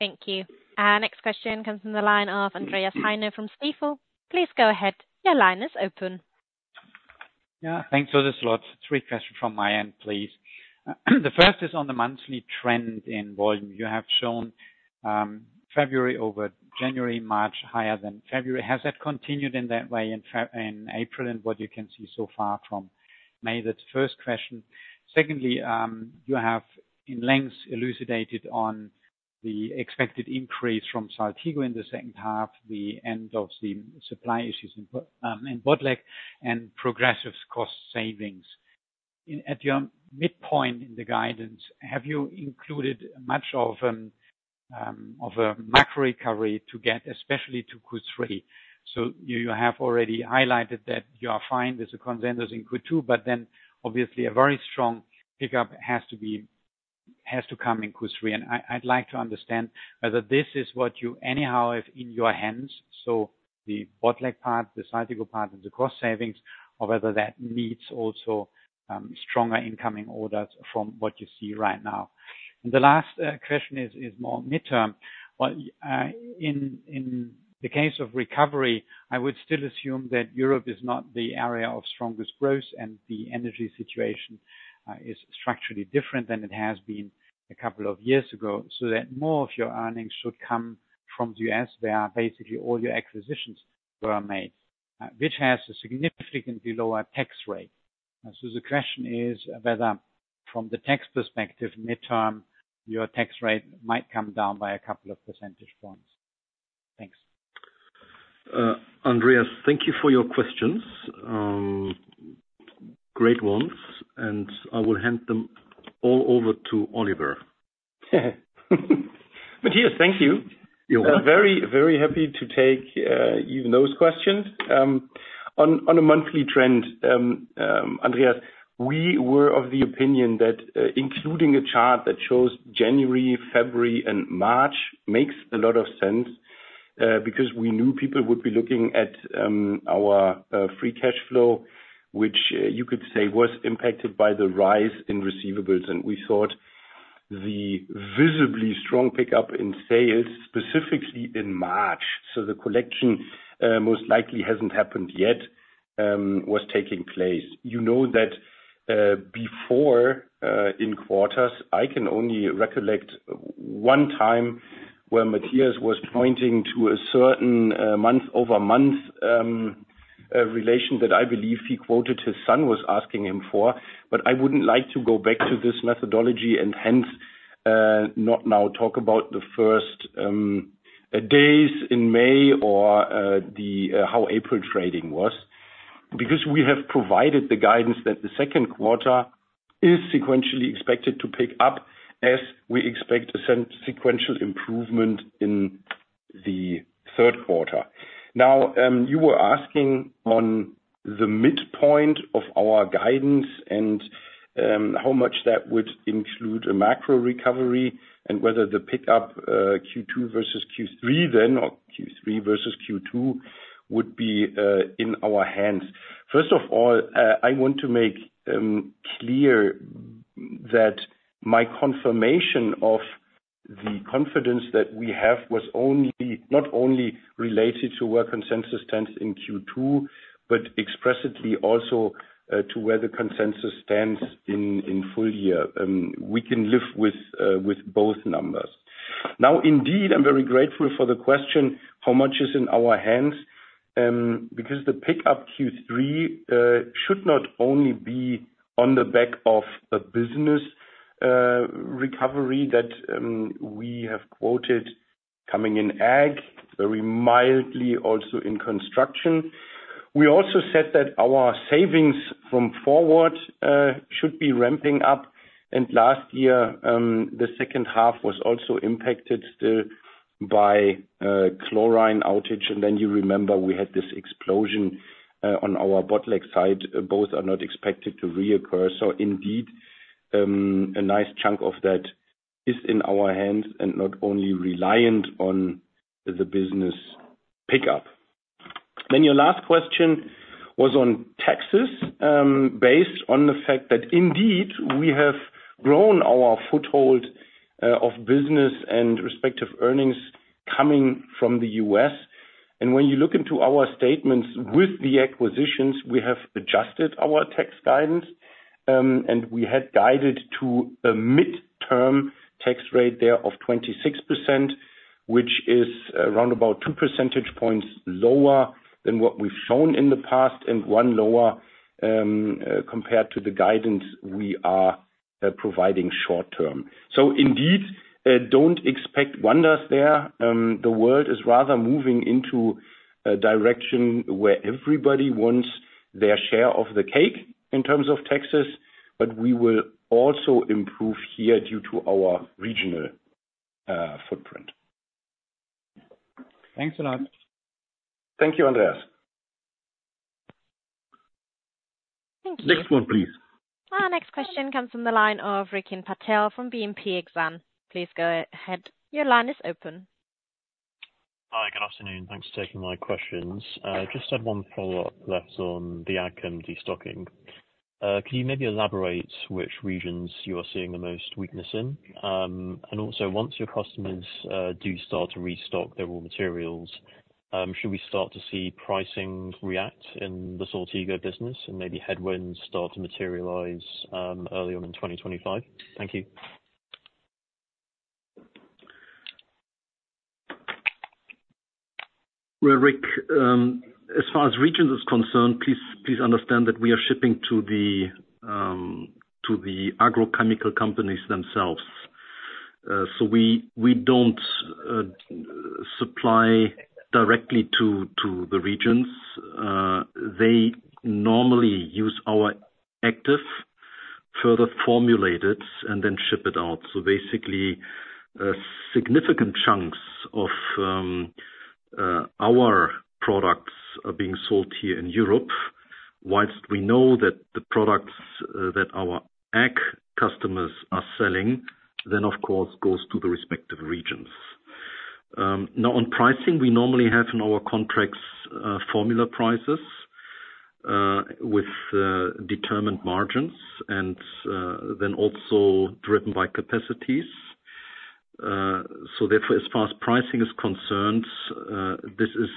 Thank you. Next question comes from the line of Andreas Heine from Stifel. Please go ahead. Your line is open. Yeah. Thanks for this a lot. Three questions from my end, please. The first is on the monthly trend in volume. You have shown February over January, March higher than February. Has that continued in that way in April and what you can see so far from May? That's the first question. Secondly, you have in length elucidated on the expected increase from Saltigo in the second half, the end of the supply issues in Rotterdam Botlek, and progressive cost savings. At your midpoint in the guidance, have you included much of a macro recovery to get, especially to Q3? So you have already highlighted that you are fine with the consensus in Q2. But then obviously, a very strong pickup has to come in Q3. I'd like to understand whether this is what you anyhow have in your hands, so the Botlek part, the Saltigo part, and the cost savings, or whether that needs also stronger incoming orders from what you see right now. The last question is more midterm. Well, in the case of recovery, I would still assume that Europe is not the area of strongest growth. The energy situation is structurally different than it has been a couple of years ago. So more of your earnings should come from the U.S. where basically all your acquisitions were made, which has a significantly lower tax rate. The question is whether from the tax perspective, midterm, your tax rate might come down by a couple of percentage points. Thanks. Andreas, thank you for your questions. Great ones. I will hand them all over to Oliver. Matthias, thank you. You're welcome. I'm very, very happy to take even those questions. On a monthly trend, Andreas, we were of the opinion that including a chart that shows January, February, and March makes a lot of sense because we knew people would be looking at our free cash flow, which you could say was impacted by the rise in receivables. We thought the visibly strong pickup in sales, specifically in March so the collection most likely hasn't happened yet was taking place. You know that before in quarters, I can only recollect one time where Matthias was pointing to a certain month-over-month relation that I believe he quoted his son was asking him for. But I wouldn't like to go back to this methodology and hence not now talk about the first days in May or how April trading was because we have provided the guidance that the second quarter is sequentially expected to pick up as we expect a sequential improvement in the Q3. Now, you were asking on the midpoint of our guidance and how much that would include a macro recovery and whether the pickup Q2 versus Q3 then or Q3 versus Q2 would be in our hands. First of all, I want to make clear that my confirmation of the confidence that we have was not only related to where consensus stands in Q2 but expressedly also to where the consensus stands in full year. We can live with both numbers. Now, indeed, I'm very grateful for the question, "How much is in our hands?" because the pickup Q3 should not only be on the back of a business recovery that we have quoted coming in ag, very mildly also in construction. We also said that our savings from forward should be ramping up. And last year, the second half was also impacted still by chlorine outage. And then you remember we had this explosion on our Botlek site. Both are not expected to reoccur. So indeed, a nice chunk of that is in our hands and not only reliant on the business pickup. Then your last question was on taxes based on the fact that indeed, we have grown our foothold of business and respective earnings coming from the US. And when you look into our statements with the acquisitions, we have adjusted our tax guidance. We had guided to a midterm tax rate there of 26%, which is around about two percentage points lower than what we've shown in the past and one lower compared to the guidance we are providing short term. So indeed, don't expect wonders there. The world is rather moving into a direction where everybody wants their share of the cake in terms of taxes. But we will also improve here due to our regional footprint. Thanks a lot. Thank you, Andreas. Thank you. Next one, please. Next question comes from the line of Rikin Patel from BNP Paribas. Please go ahead. Your line is open. Hi. Good afternoon. Thanks for taking my questions. Just had one follow-up left on the ag and destocking. Can you maybe elaborate which regions you are seeing the most weakness in? And also, once your customers do start to restock their raw materials, should we start to see pricing react in the Saltigo business and maybe headwinds start to materialize early on in 2025? Thank you. Rick, as far as regions is concerned, please understand that we are shipping to the agrochemical companies themselves. So we don't supply directly to the regions. They normally use our active further formulated and then ship it out. So basically, significant chunks of our products are being sold here in Europe. While we know that the products that our ag customers are selling, then, of course, goes to the respective regions. Now, on pricing, we normally have in our contracts formula prices with determined margins and then also driven by capacities. So therefore, as far as pricing is concerned, this is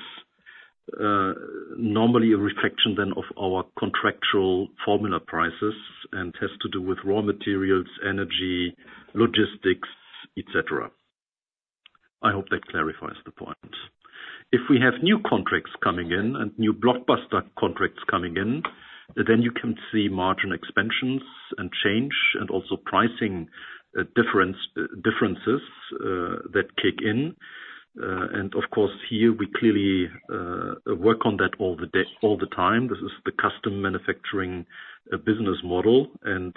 normally a reflection then of our contractual formula prices and has to do with raw materials, energy, logistics, etc. I hope that clarifies the point. If we have new contracts coming in and new blockbuster contracts coming in, then you can see margin expansions and change and also pricing differences that kick in. And of course, here, we clearly work on that all the time. This is the custom manufacturing business model. And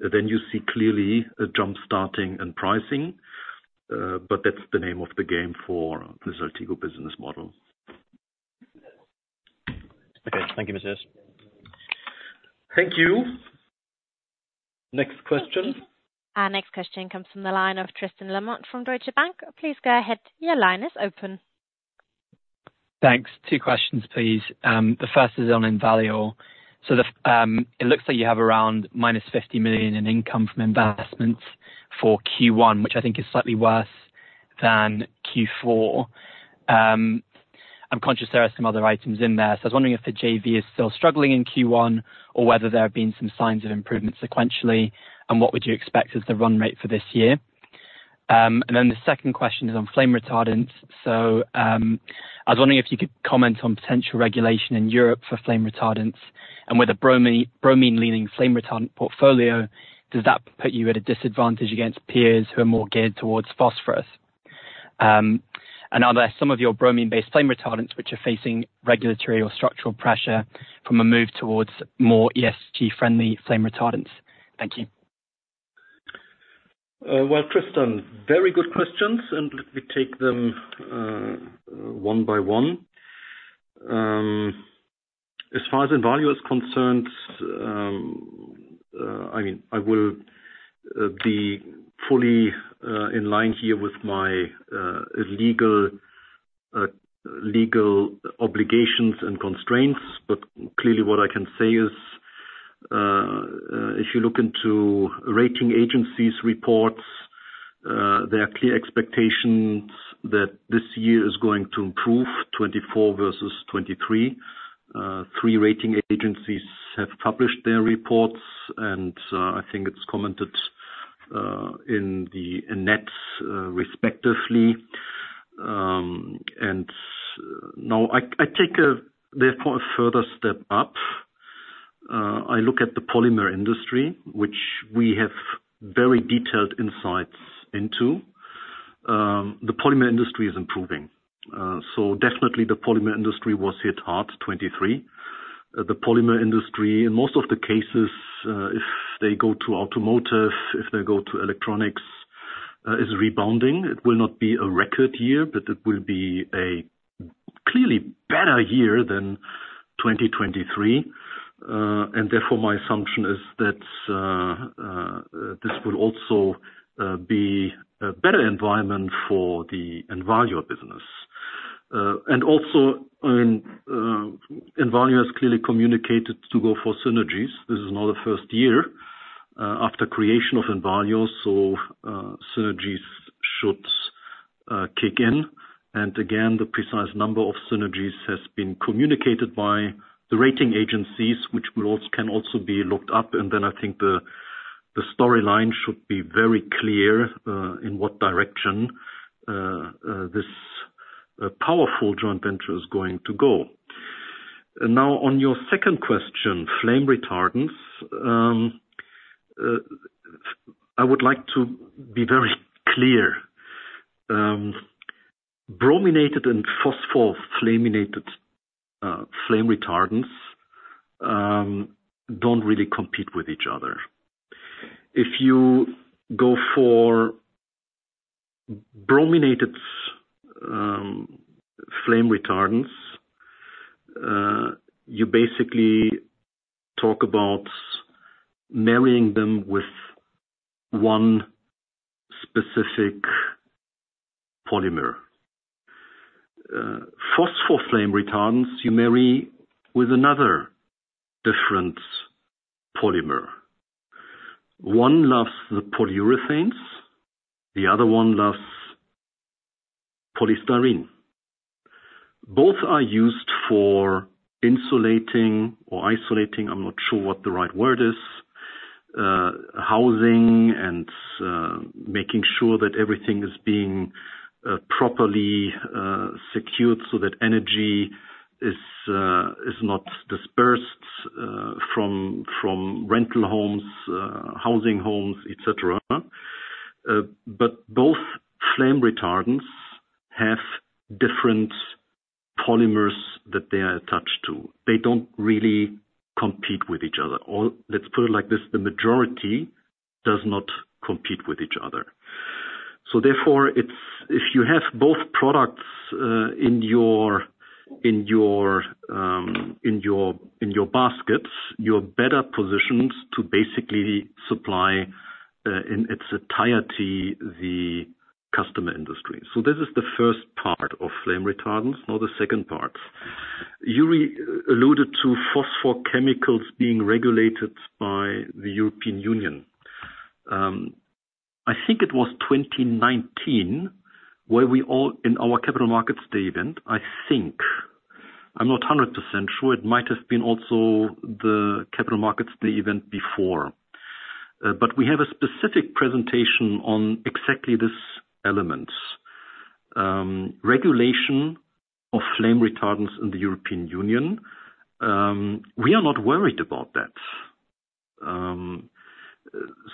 then you see clearly jump-starting and pricing. But that's the name of the game for the Saltigo business model. Okay. Thank you, Matthias. Thank you. Next question. Next question comes from the line of Tristan Lamotte from Deutsche Bank. Please go ahead. Your line is open. Thanks. Two questions, please. The first is on Envalior. So it looks like you have around -50 million in income from investments for Q1, which I think is slightly worse than Q4. I'm conscious there are some other items in there. So I was wondering if the JV is still struggling in Q1 or whether there have been some signs of improvement sequentially. And what would you expect as the run rate for this year? And then the second question is on flame retardants. So I was wondering if you could comment on potential regulation in Europe for flame retardants. And with a bromine-leaning flame retardant portfolio, does that put you at a disadvantage against peers who are more geared towards phosphorus? And are there some of your bromine-based flame retardants which are facing regulatory or structural pressure from a move towards more ESG-friendly flame retardants? Thank you. Well, Tristan, very good questions. And let me take them one by one. As far as Envalior is concerned, I mean, I will be fully in line here with my legal obligations and constraints. But clearly, what I can say is if you look into rating agencies' reports, there are clear expectations that this year is going to improve, 2024 versus 2023. Three rating agencies have published their reports. And I think it's commented in the press respectively. And now, I take therefore a further step up. I look at the polymer industry, which we have very detailed insights into. The polymer industry is improving. So definitely, the polymer industry was hit hard, 2023. The polymer industry, in most of the cases, if they go to automotive, if they go to electronics, is rebounding. It will not be a record year, but it will be a clearly better year than 2023. And therefore, my assumption is that this will also be a better environment for the Envalior business. And also, I mean, Envalior has clearly communicated to go for synergies. This is not the first year after creation of Envalior. So synergies should kick in. And again, the precise number of synergies has been communicated by the rating agencies, which can also be looked up. And then I think the storyline should be very clear in what direction this powerful joint venture is going to go. Now, on your second question, flame retardants, I would like to be very clear. Brominated and phosphorus-flaminated flame retardants don't really compete with each other. If you go for brominated flame retardants, you basically talk about marrying them with one specific polymer. Phosphorus flame retardants, you marry with another different polymer. One loves the polyurethanes. The other one loves polystyrene. Both are used for insulating or isolating I'm not sure what the right word is housing and making sure that everything is being properly secured so that energy is not dispersed from rental homes, housing homes, etc. But both flame retardants have different polymers that they are attached to. They don't really compete with each other. Or let's put it like this. The majority does not compete with each other. So therefore, if you have both products in your baskets, you're better positioned to basically supply in its entirety the customer industry. So this is the first part of flame retardants, not the second part. You alluded to phosphorus chemicals being regulated by the European Union. I think it was 2019 where we all in our Capital Markets Day event, I think. I'm not 100% sure. It might have been also the Capital Markets Day event before. But we have a specific presentation on exactly this element, regulation of flame retardants in the European Union. We are not worried about that.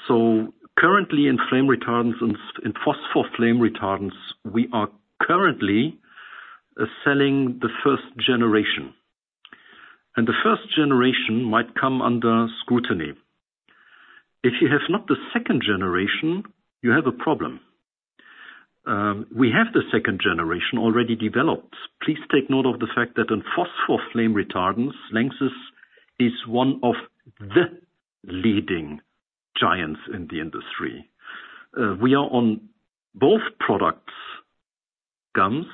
So currently, in phosphorus flame retardants, we are currently selling the first generation. And the first generation might come under scrutiny. If you have not the second generation, you have a problem. We have the second generation already developed. Please take note of the fact that in phosphorus flame retardants, LANXESS is one of the leading giants in the industry. We are on both products, gums,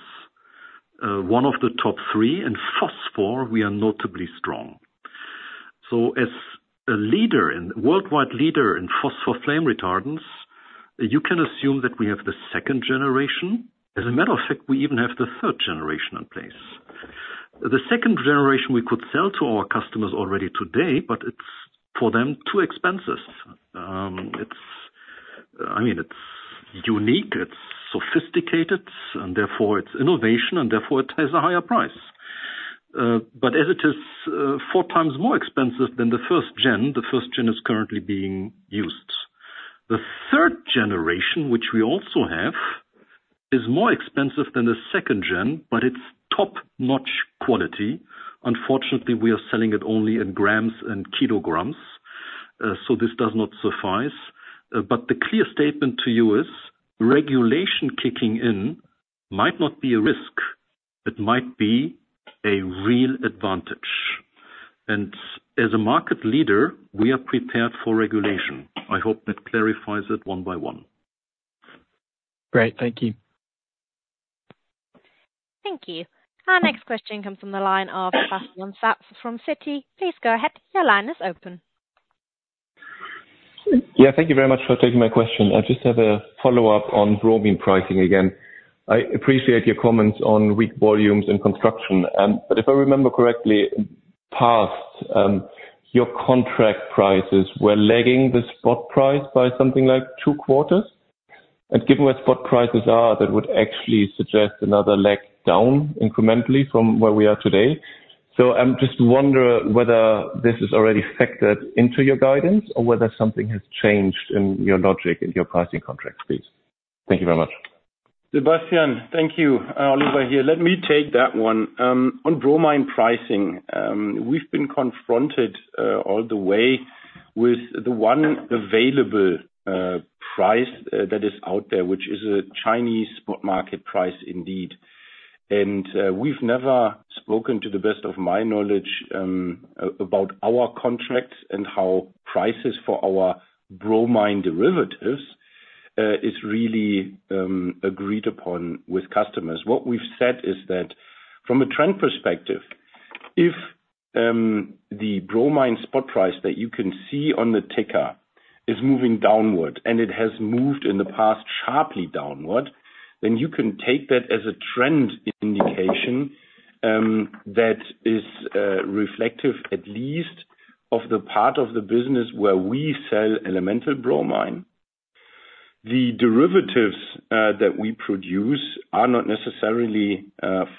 one of the top three. In phosphor, we are notably strong. So as a worldwide leader in phosphorus flame retardants, you can assume that we have the second generation. As a matter of fact, we even have the third generation in place. The second generation, we could sell to our customers already today, but it's for them too expensive. I mean, it's unique. It's sophisticated. And therefore, it's innovation. And therefore, it has a higher price. But as it is four times more expensive than the first gen, the first gen is currently being used. The third generation, which we also have, is more expensive than the second gen, but it's top-notch quality. Unfortunately, we are selling it only in grams and kilograms. So this does not suffice. But the clear statement to you is regulation kicking in might not be a risk. It might be a real advantage. And as a market leader, we are prepared for regulation. I hope that clarifies it one by one. Great. Thank you. Thank you. Next question comes from the line of Sebastian Satz from Citi. Please go ahead. Your line is open. Yeah. Thank you very much for taking my question. I just have a follow-up on bromine pricing again. I appreciate your comments on weak volumes and construction. But if I remember correctly, in the past, your contract prices were lagging the spot price by something like two quarters. And given where spot prices are, that would actually suggest another lag down incrementally from where we are today. So I just wonder whether this is already factored into your guidance or whether something has changed in your logic in your pricing contract, please. Thank you very much. Sebastian, thank you. Oliver here. Let me take that one. On bromine pricing, we've been confronted all the way with the one available price that is out there, which is a Chinese spot market price indeed. We've never spoken, to the best of my knowledge, about our contracts and how prices for our bromine derivatives is really agreed upon with customers. What we've said is that from a trend perspective, if the bromine spot price that you can see on the ticker is moving downward and it has moved in the past sharply downward, then you can take that as a trend indication that is reflective at least of the part of the business where we sell elemental bromine. The derivatives that we produce are not necessarily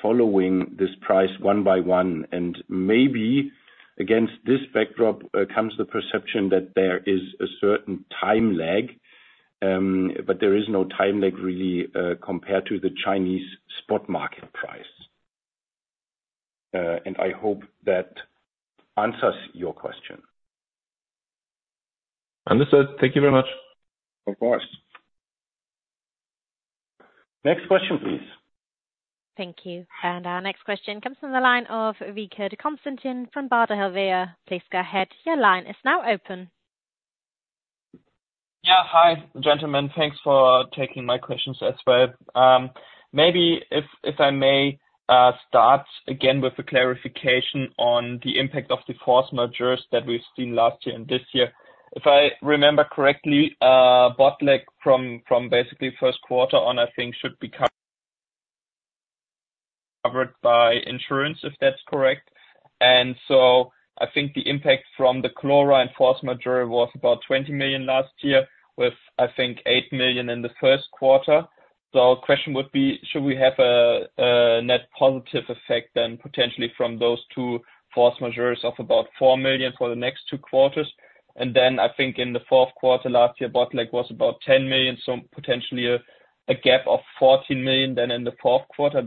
following this price one by one. Maybe against this backdrop comes the perception that there is a certain time lag. There is no time lag really compared to the Chinese spot market price. I hope that answers your question. Understood. Thank you very much. Of course. Next question, please. Thank you. And our next question comes from the line of Konstantin Wiechert from Baader Helvea. Please go ahead. Your line is now open. Yeah. Hi, gentlemen. Thanks for taking my questions as well. Maybe if I may start again with a clarification on the impact of the force majeure that we've seen last year and this year. If I remember correctly, Botlek from basically Q1 on, I think, should be covered by insurance, if that's correct. And so I think the impact from the chlorine force majeure was about 20 million last year with, I think, 8 million in the Q1. So question would be, should we have a net positive effect then potentially from those two force majeure of about 4 million for the next two quarters? And then I think in the Q4 last year, Botlek was about 10 million. So potentially a gap of 14 million then in the Q4.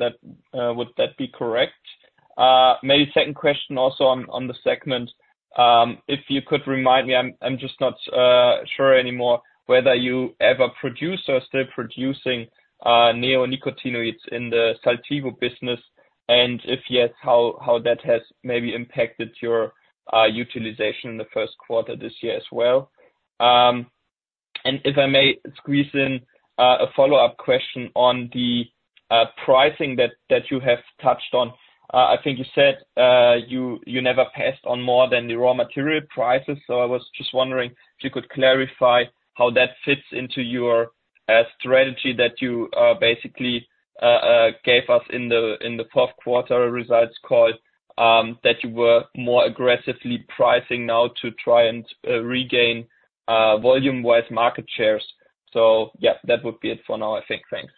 Would that be correct? Maybe second question also on the segment. If you could remind me I'm just not sure anymore whether you ever produce or are still producing neonicotinoids in the Saltigo business. And if yes, how that has maybe impacted your utilization in the Q1 this year as well. And if I may squeeze in a follow-up question on the pricing that you have touched on. I think you said you never passed on more than the raw material prices. So I was just wondering if you could clarify how that fits into your strategy that you basically gave us in the Q4 results call, that you were more aggressively pricing now to try and regain volume-wise market shares. So yeah, that would be it for now, I think. Thanks.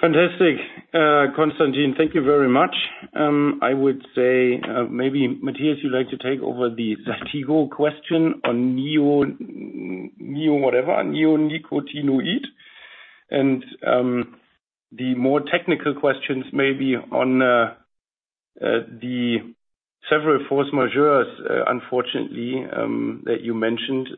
Fantastic, Konstantin. Thank you very much. I would say maybe, Matthias, you'd like to take over the Saltigo question on neonicotinoid and the more technical questions maybe on the several force majeure, unfortunately, that you mentioned,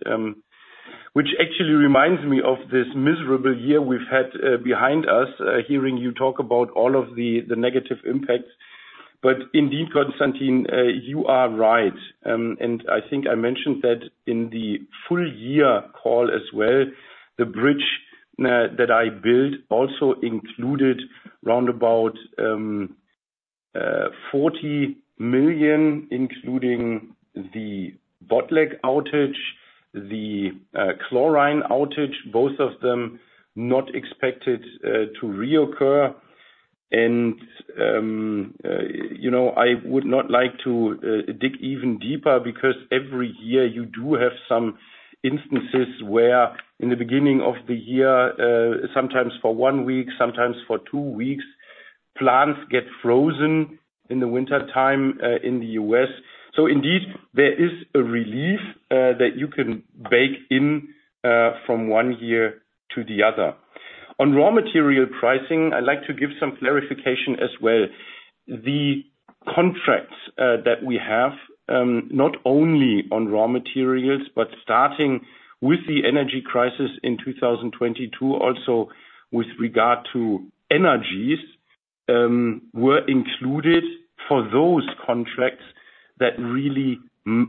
which actually reminds me of this miserable year we've had behind us hearing you talk about all of the negative impacts. But indeed, Konstantin, you are right. And I think I mentioned that in the full-year call as well, the bridge that I built also included roundabout EUR 40 million, including the Botlek outage, the chlorine outage, both of them not expected to reoccur. And I would not like to dig even deeper because every year, you do have some instances where in the beginning of the year, sometimes for one week, sometimes for two weeks, plants get frozen in the wintertime in the U.S. So indeed, there is a relief that you can bake in from one year to the other. On raw material pricing, I'd like to give some clarification as well. The contracts that we have, not only on raw materials but starting with the energy crisis in 2022, also with regard to energies, were included for those contracts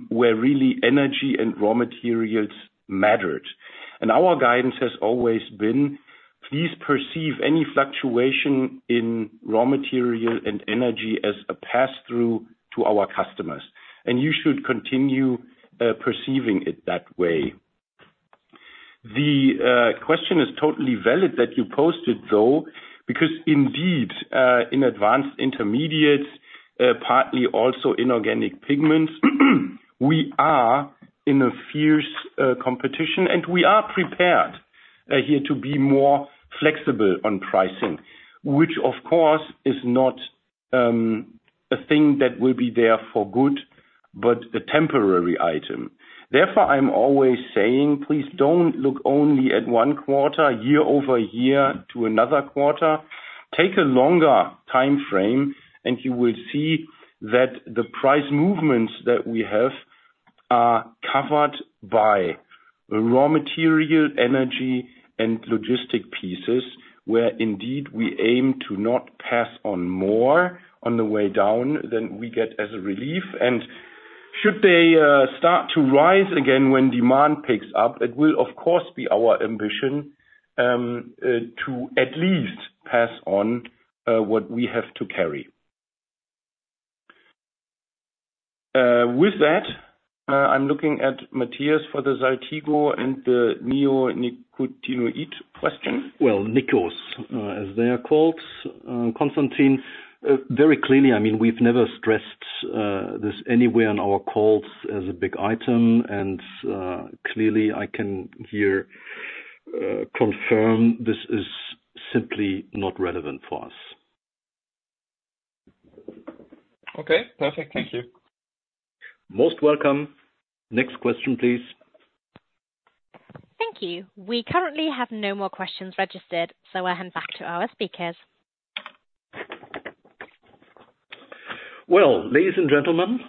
where really energy and raw materials mattered. And our guidance has always been, "Please perceive any fluctuation in raw material and energy as a pass-through to our customers. And you should continue perceiving it that way." The question is totally valid that you posted, though, because indeed, in Advanced Intermediates, partly also inorganic pigments, we are in a fierce competition. And we are prepared here to be more flexible on pricing, which, of course, is not a thing that will be there for good but a temporary item. Therefore, I'm always saying, "Please don't look only at one quarter, year-over-year to another quarter. Take a longer time frame. And you will see that the price movements that we have are covered by raw material, energy, and logistic pieces where indeed, we aim to not pass on more on the way down than we get as a relief. And should they start to rise again when demand picks up, it will, of course, be our ambition to at least pass on what we have to carry." With that, I'm looking at Matthias for the Saltigo and the neonicotinoid question. Well, Nicos as they are called. Konstantin, very clearly, I mean, we've never stressed this anywhere in our calls as a big item. And clearly, I can here confirm this is simply not relevant for us. Okay. Perfect. Thank you. Most welcome. Next question, please. Thank you. We currently have no more questions registered. I'll hand back to our speakers. Well, ladies and gentlemen,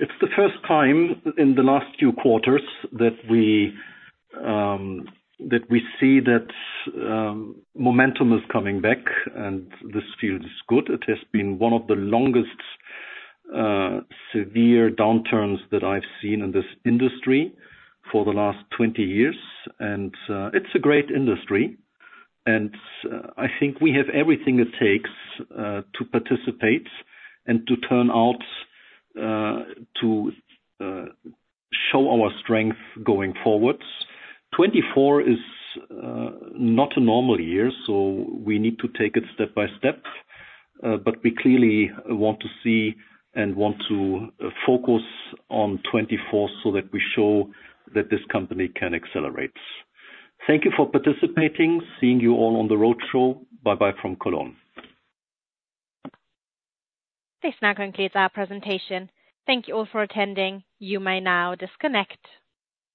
it's the first time in the last few quarters that we see that momentum is coming back. And this feels good. It has been one of the longest severe downturns that I've seen in this industry for the last 20 years. And it's a great industry. And I think we have everything it takes to participate and to turn out to show our strength going forwards. 2024 is not a normal year. So we need to take it step by step. But we clearly want to see and want to focus on 2024 so that we show that this company can accelerate. Thank you for participating, seeing you all on the roadshow. Bye-bye from Cologne. This now concludes our presentation. Thank you all for attending. You may now disconnect.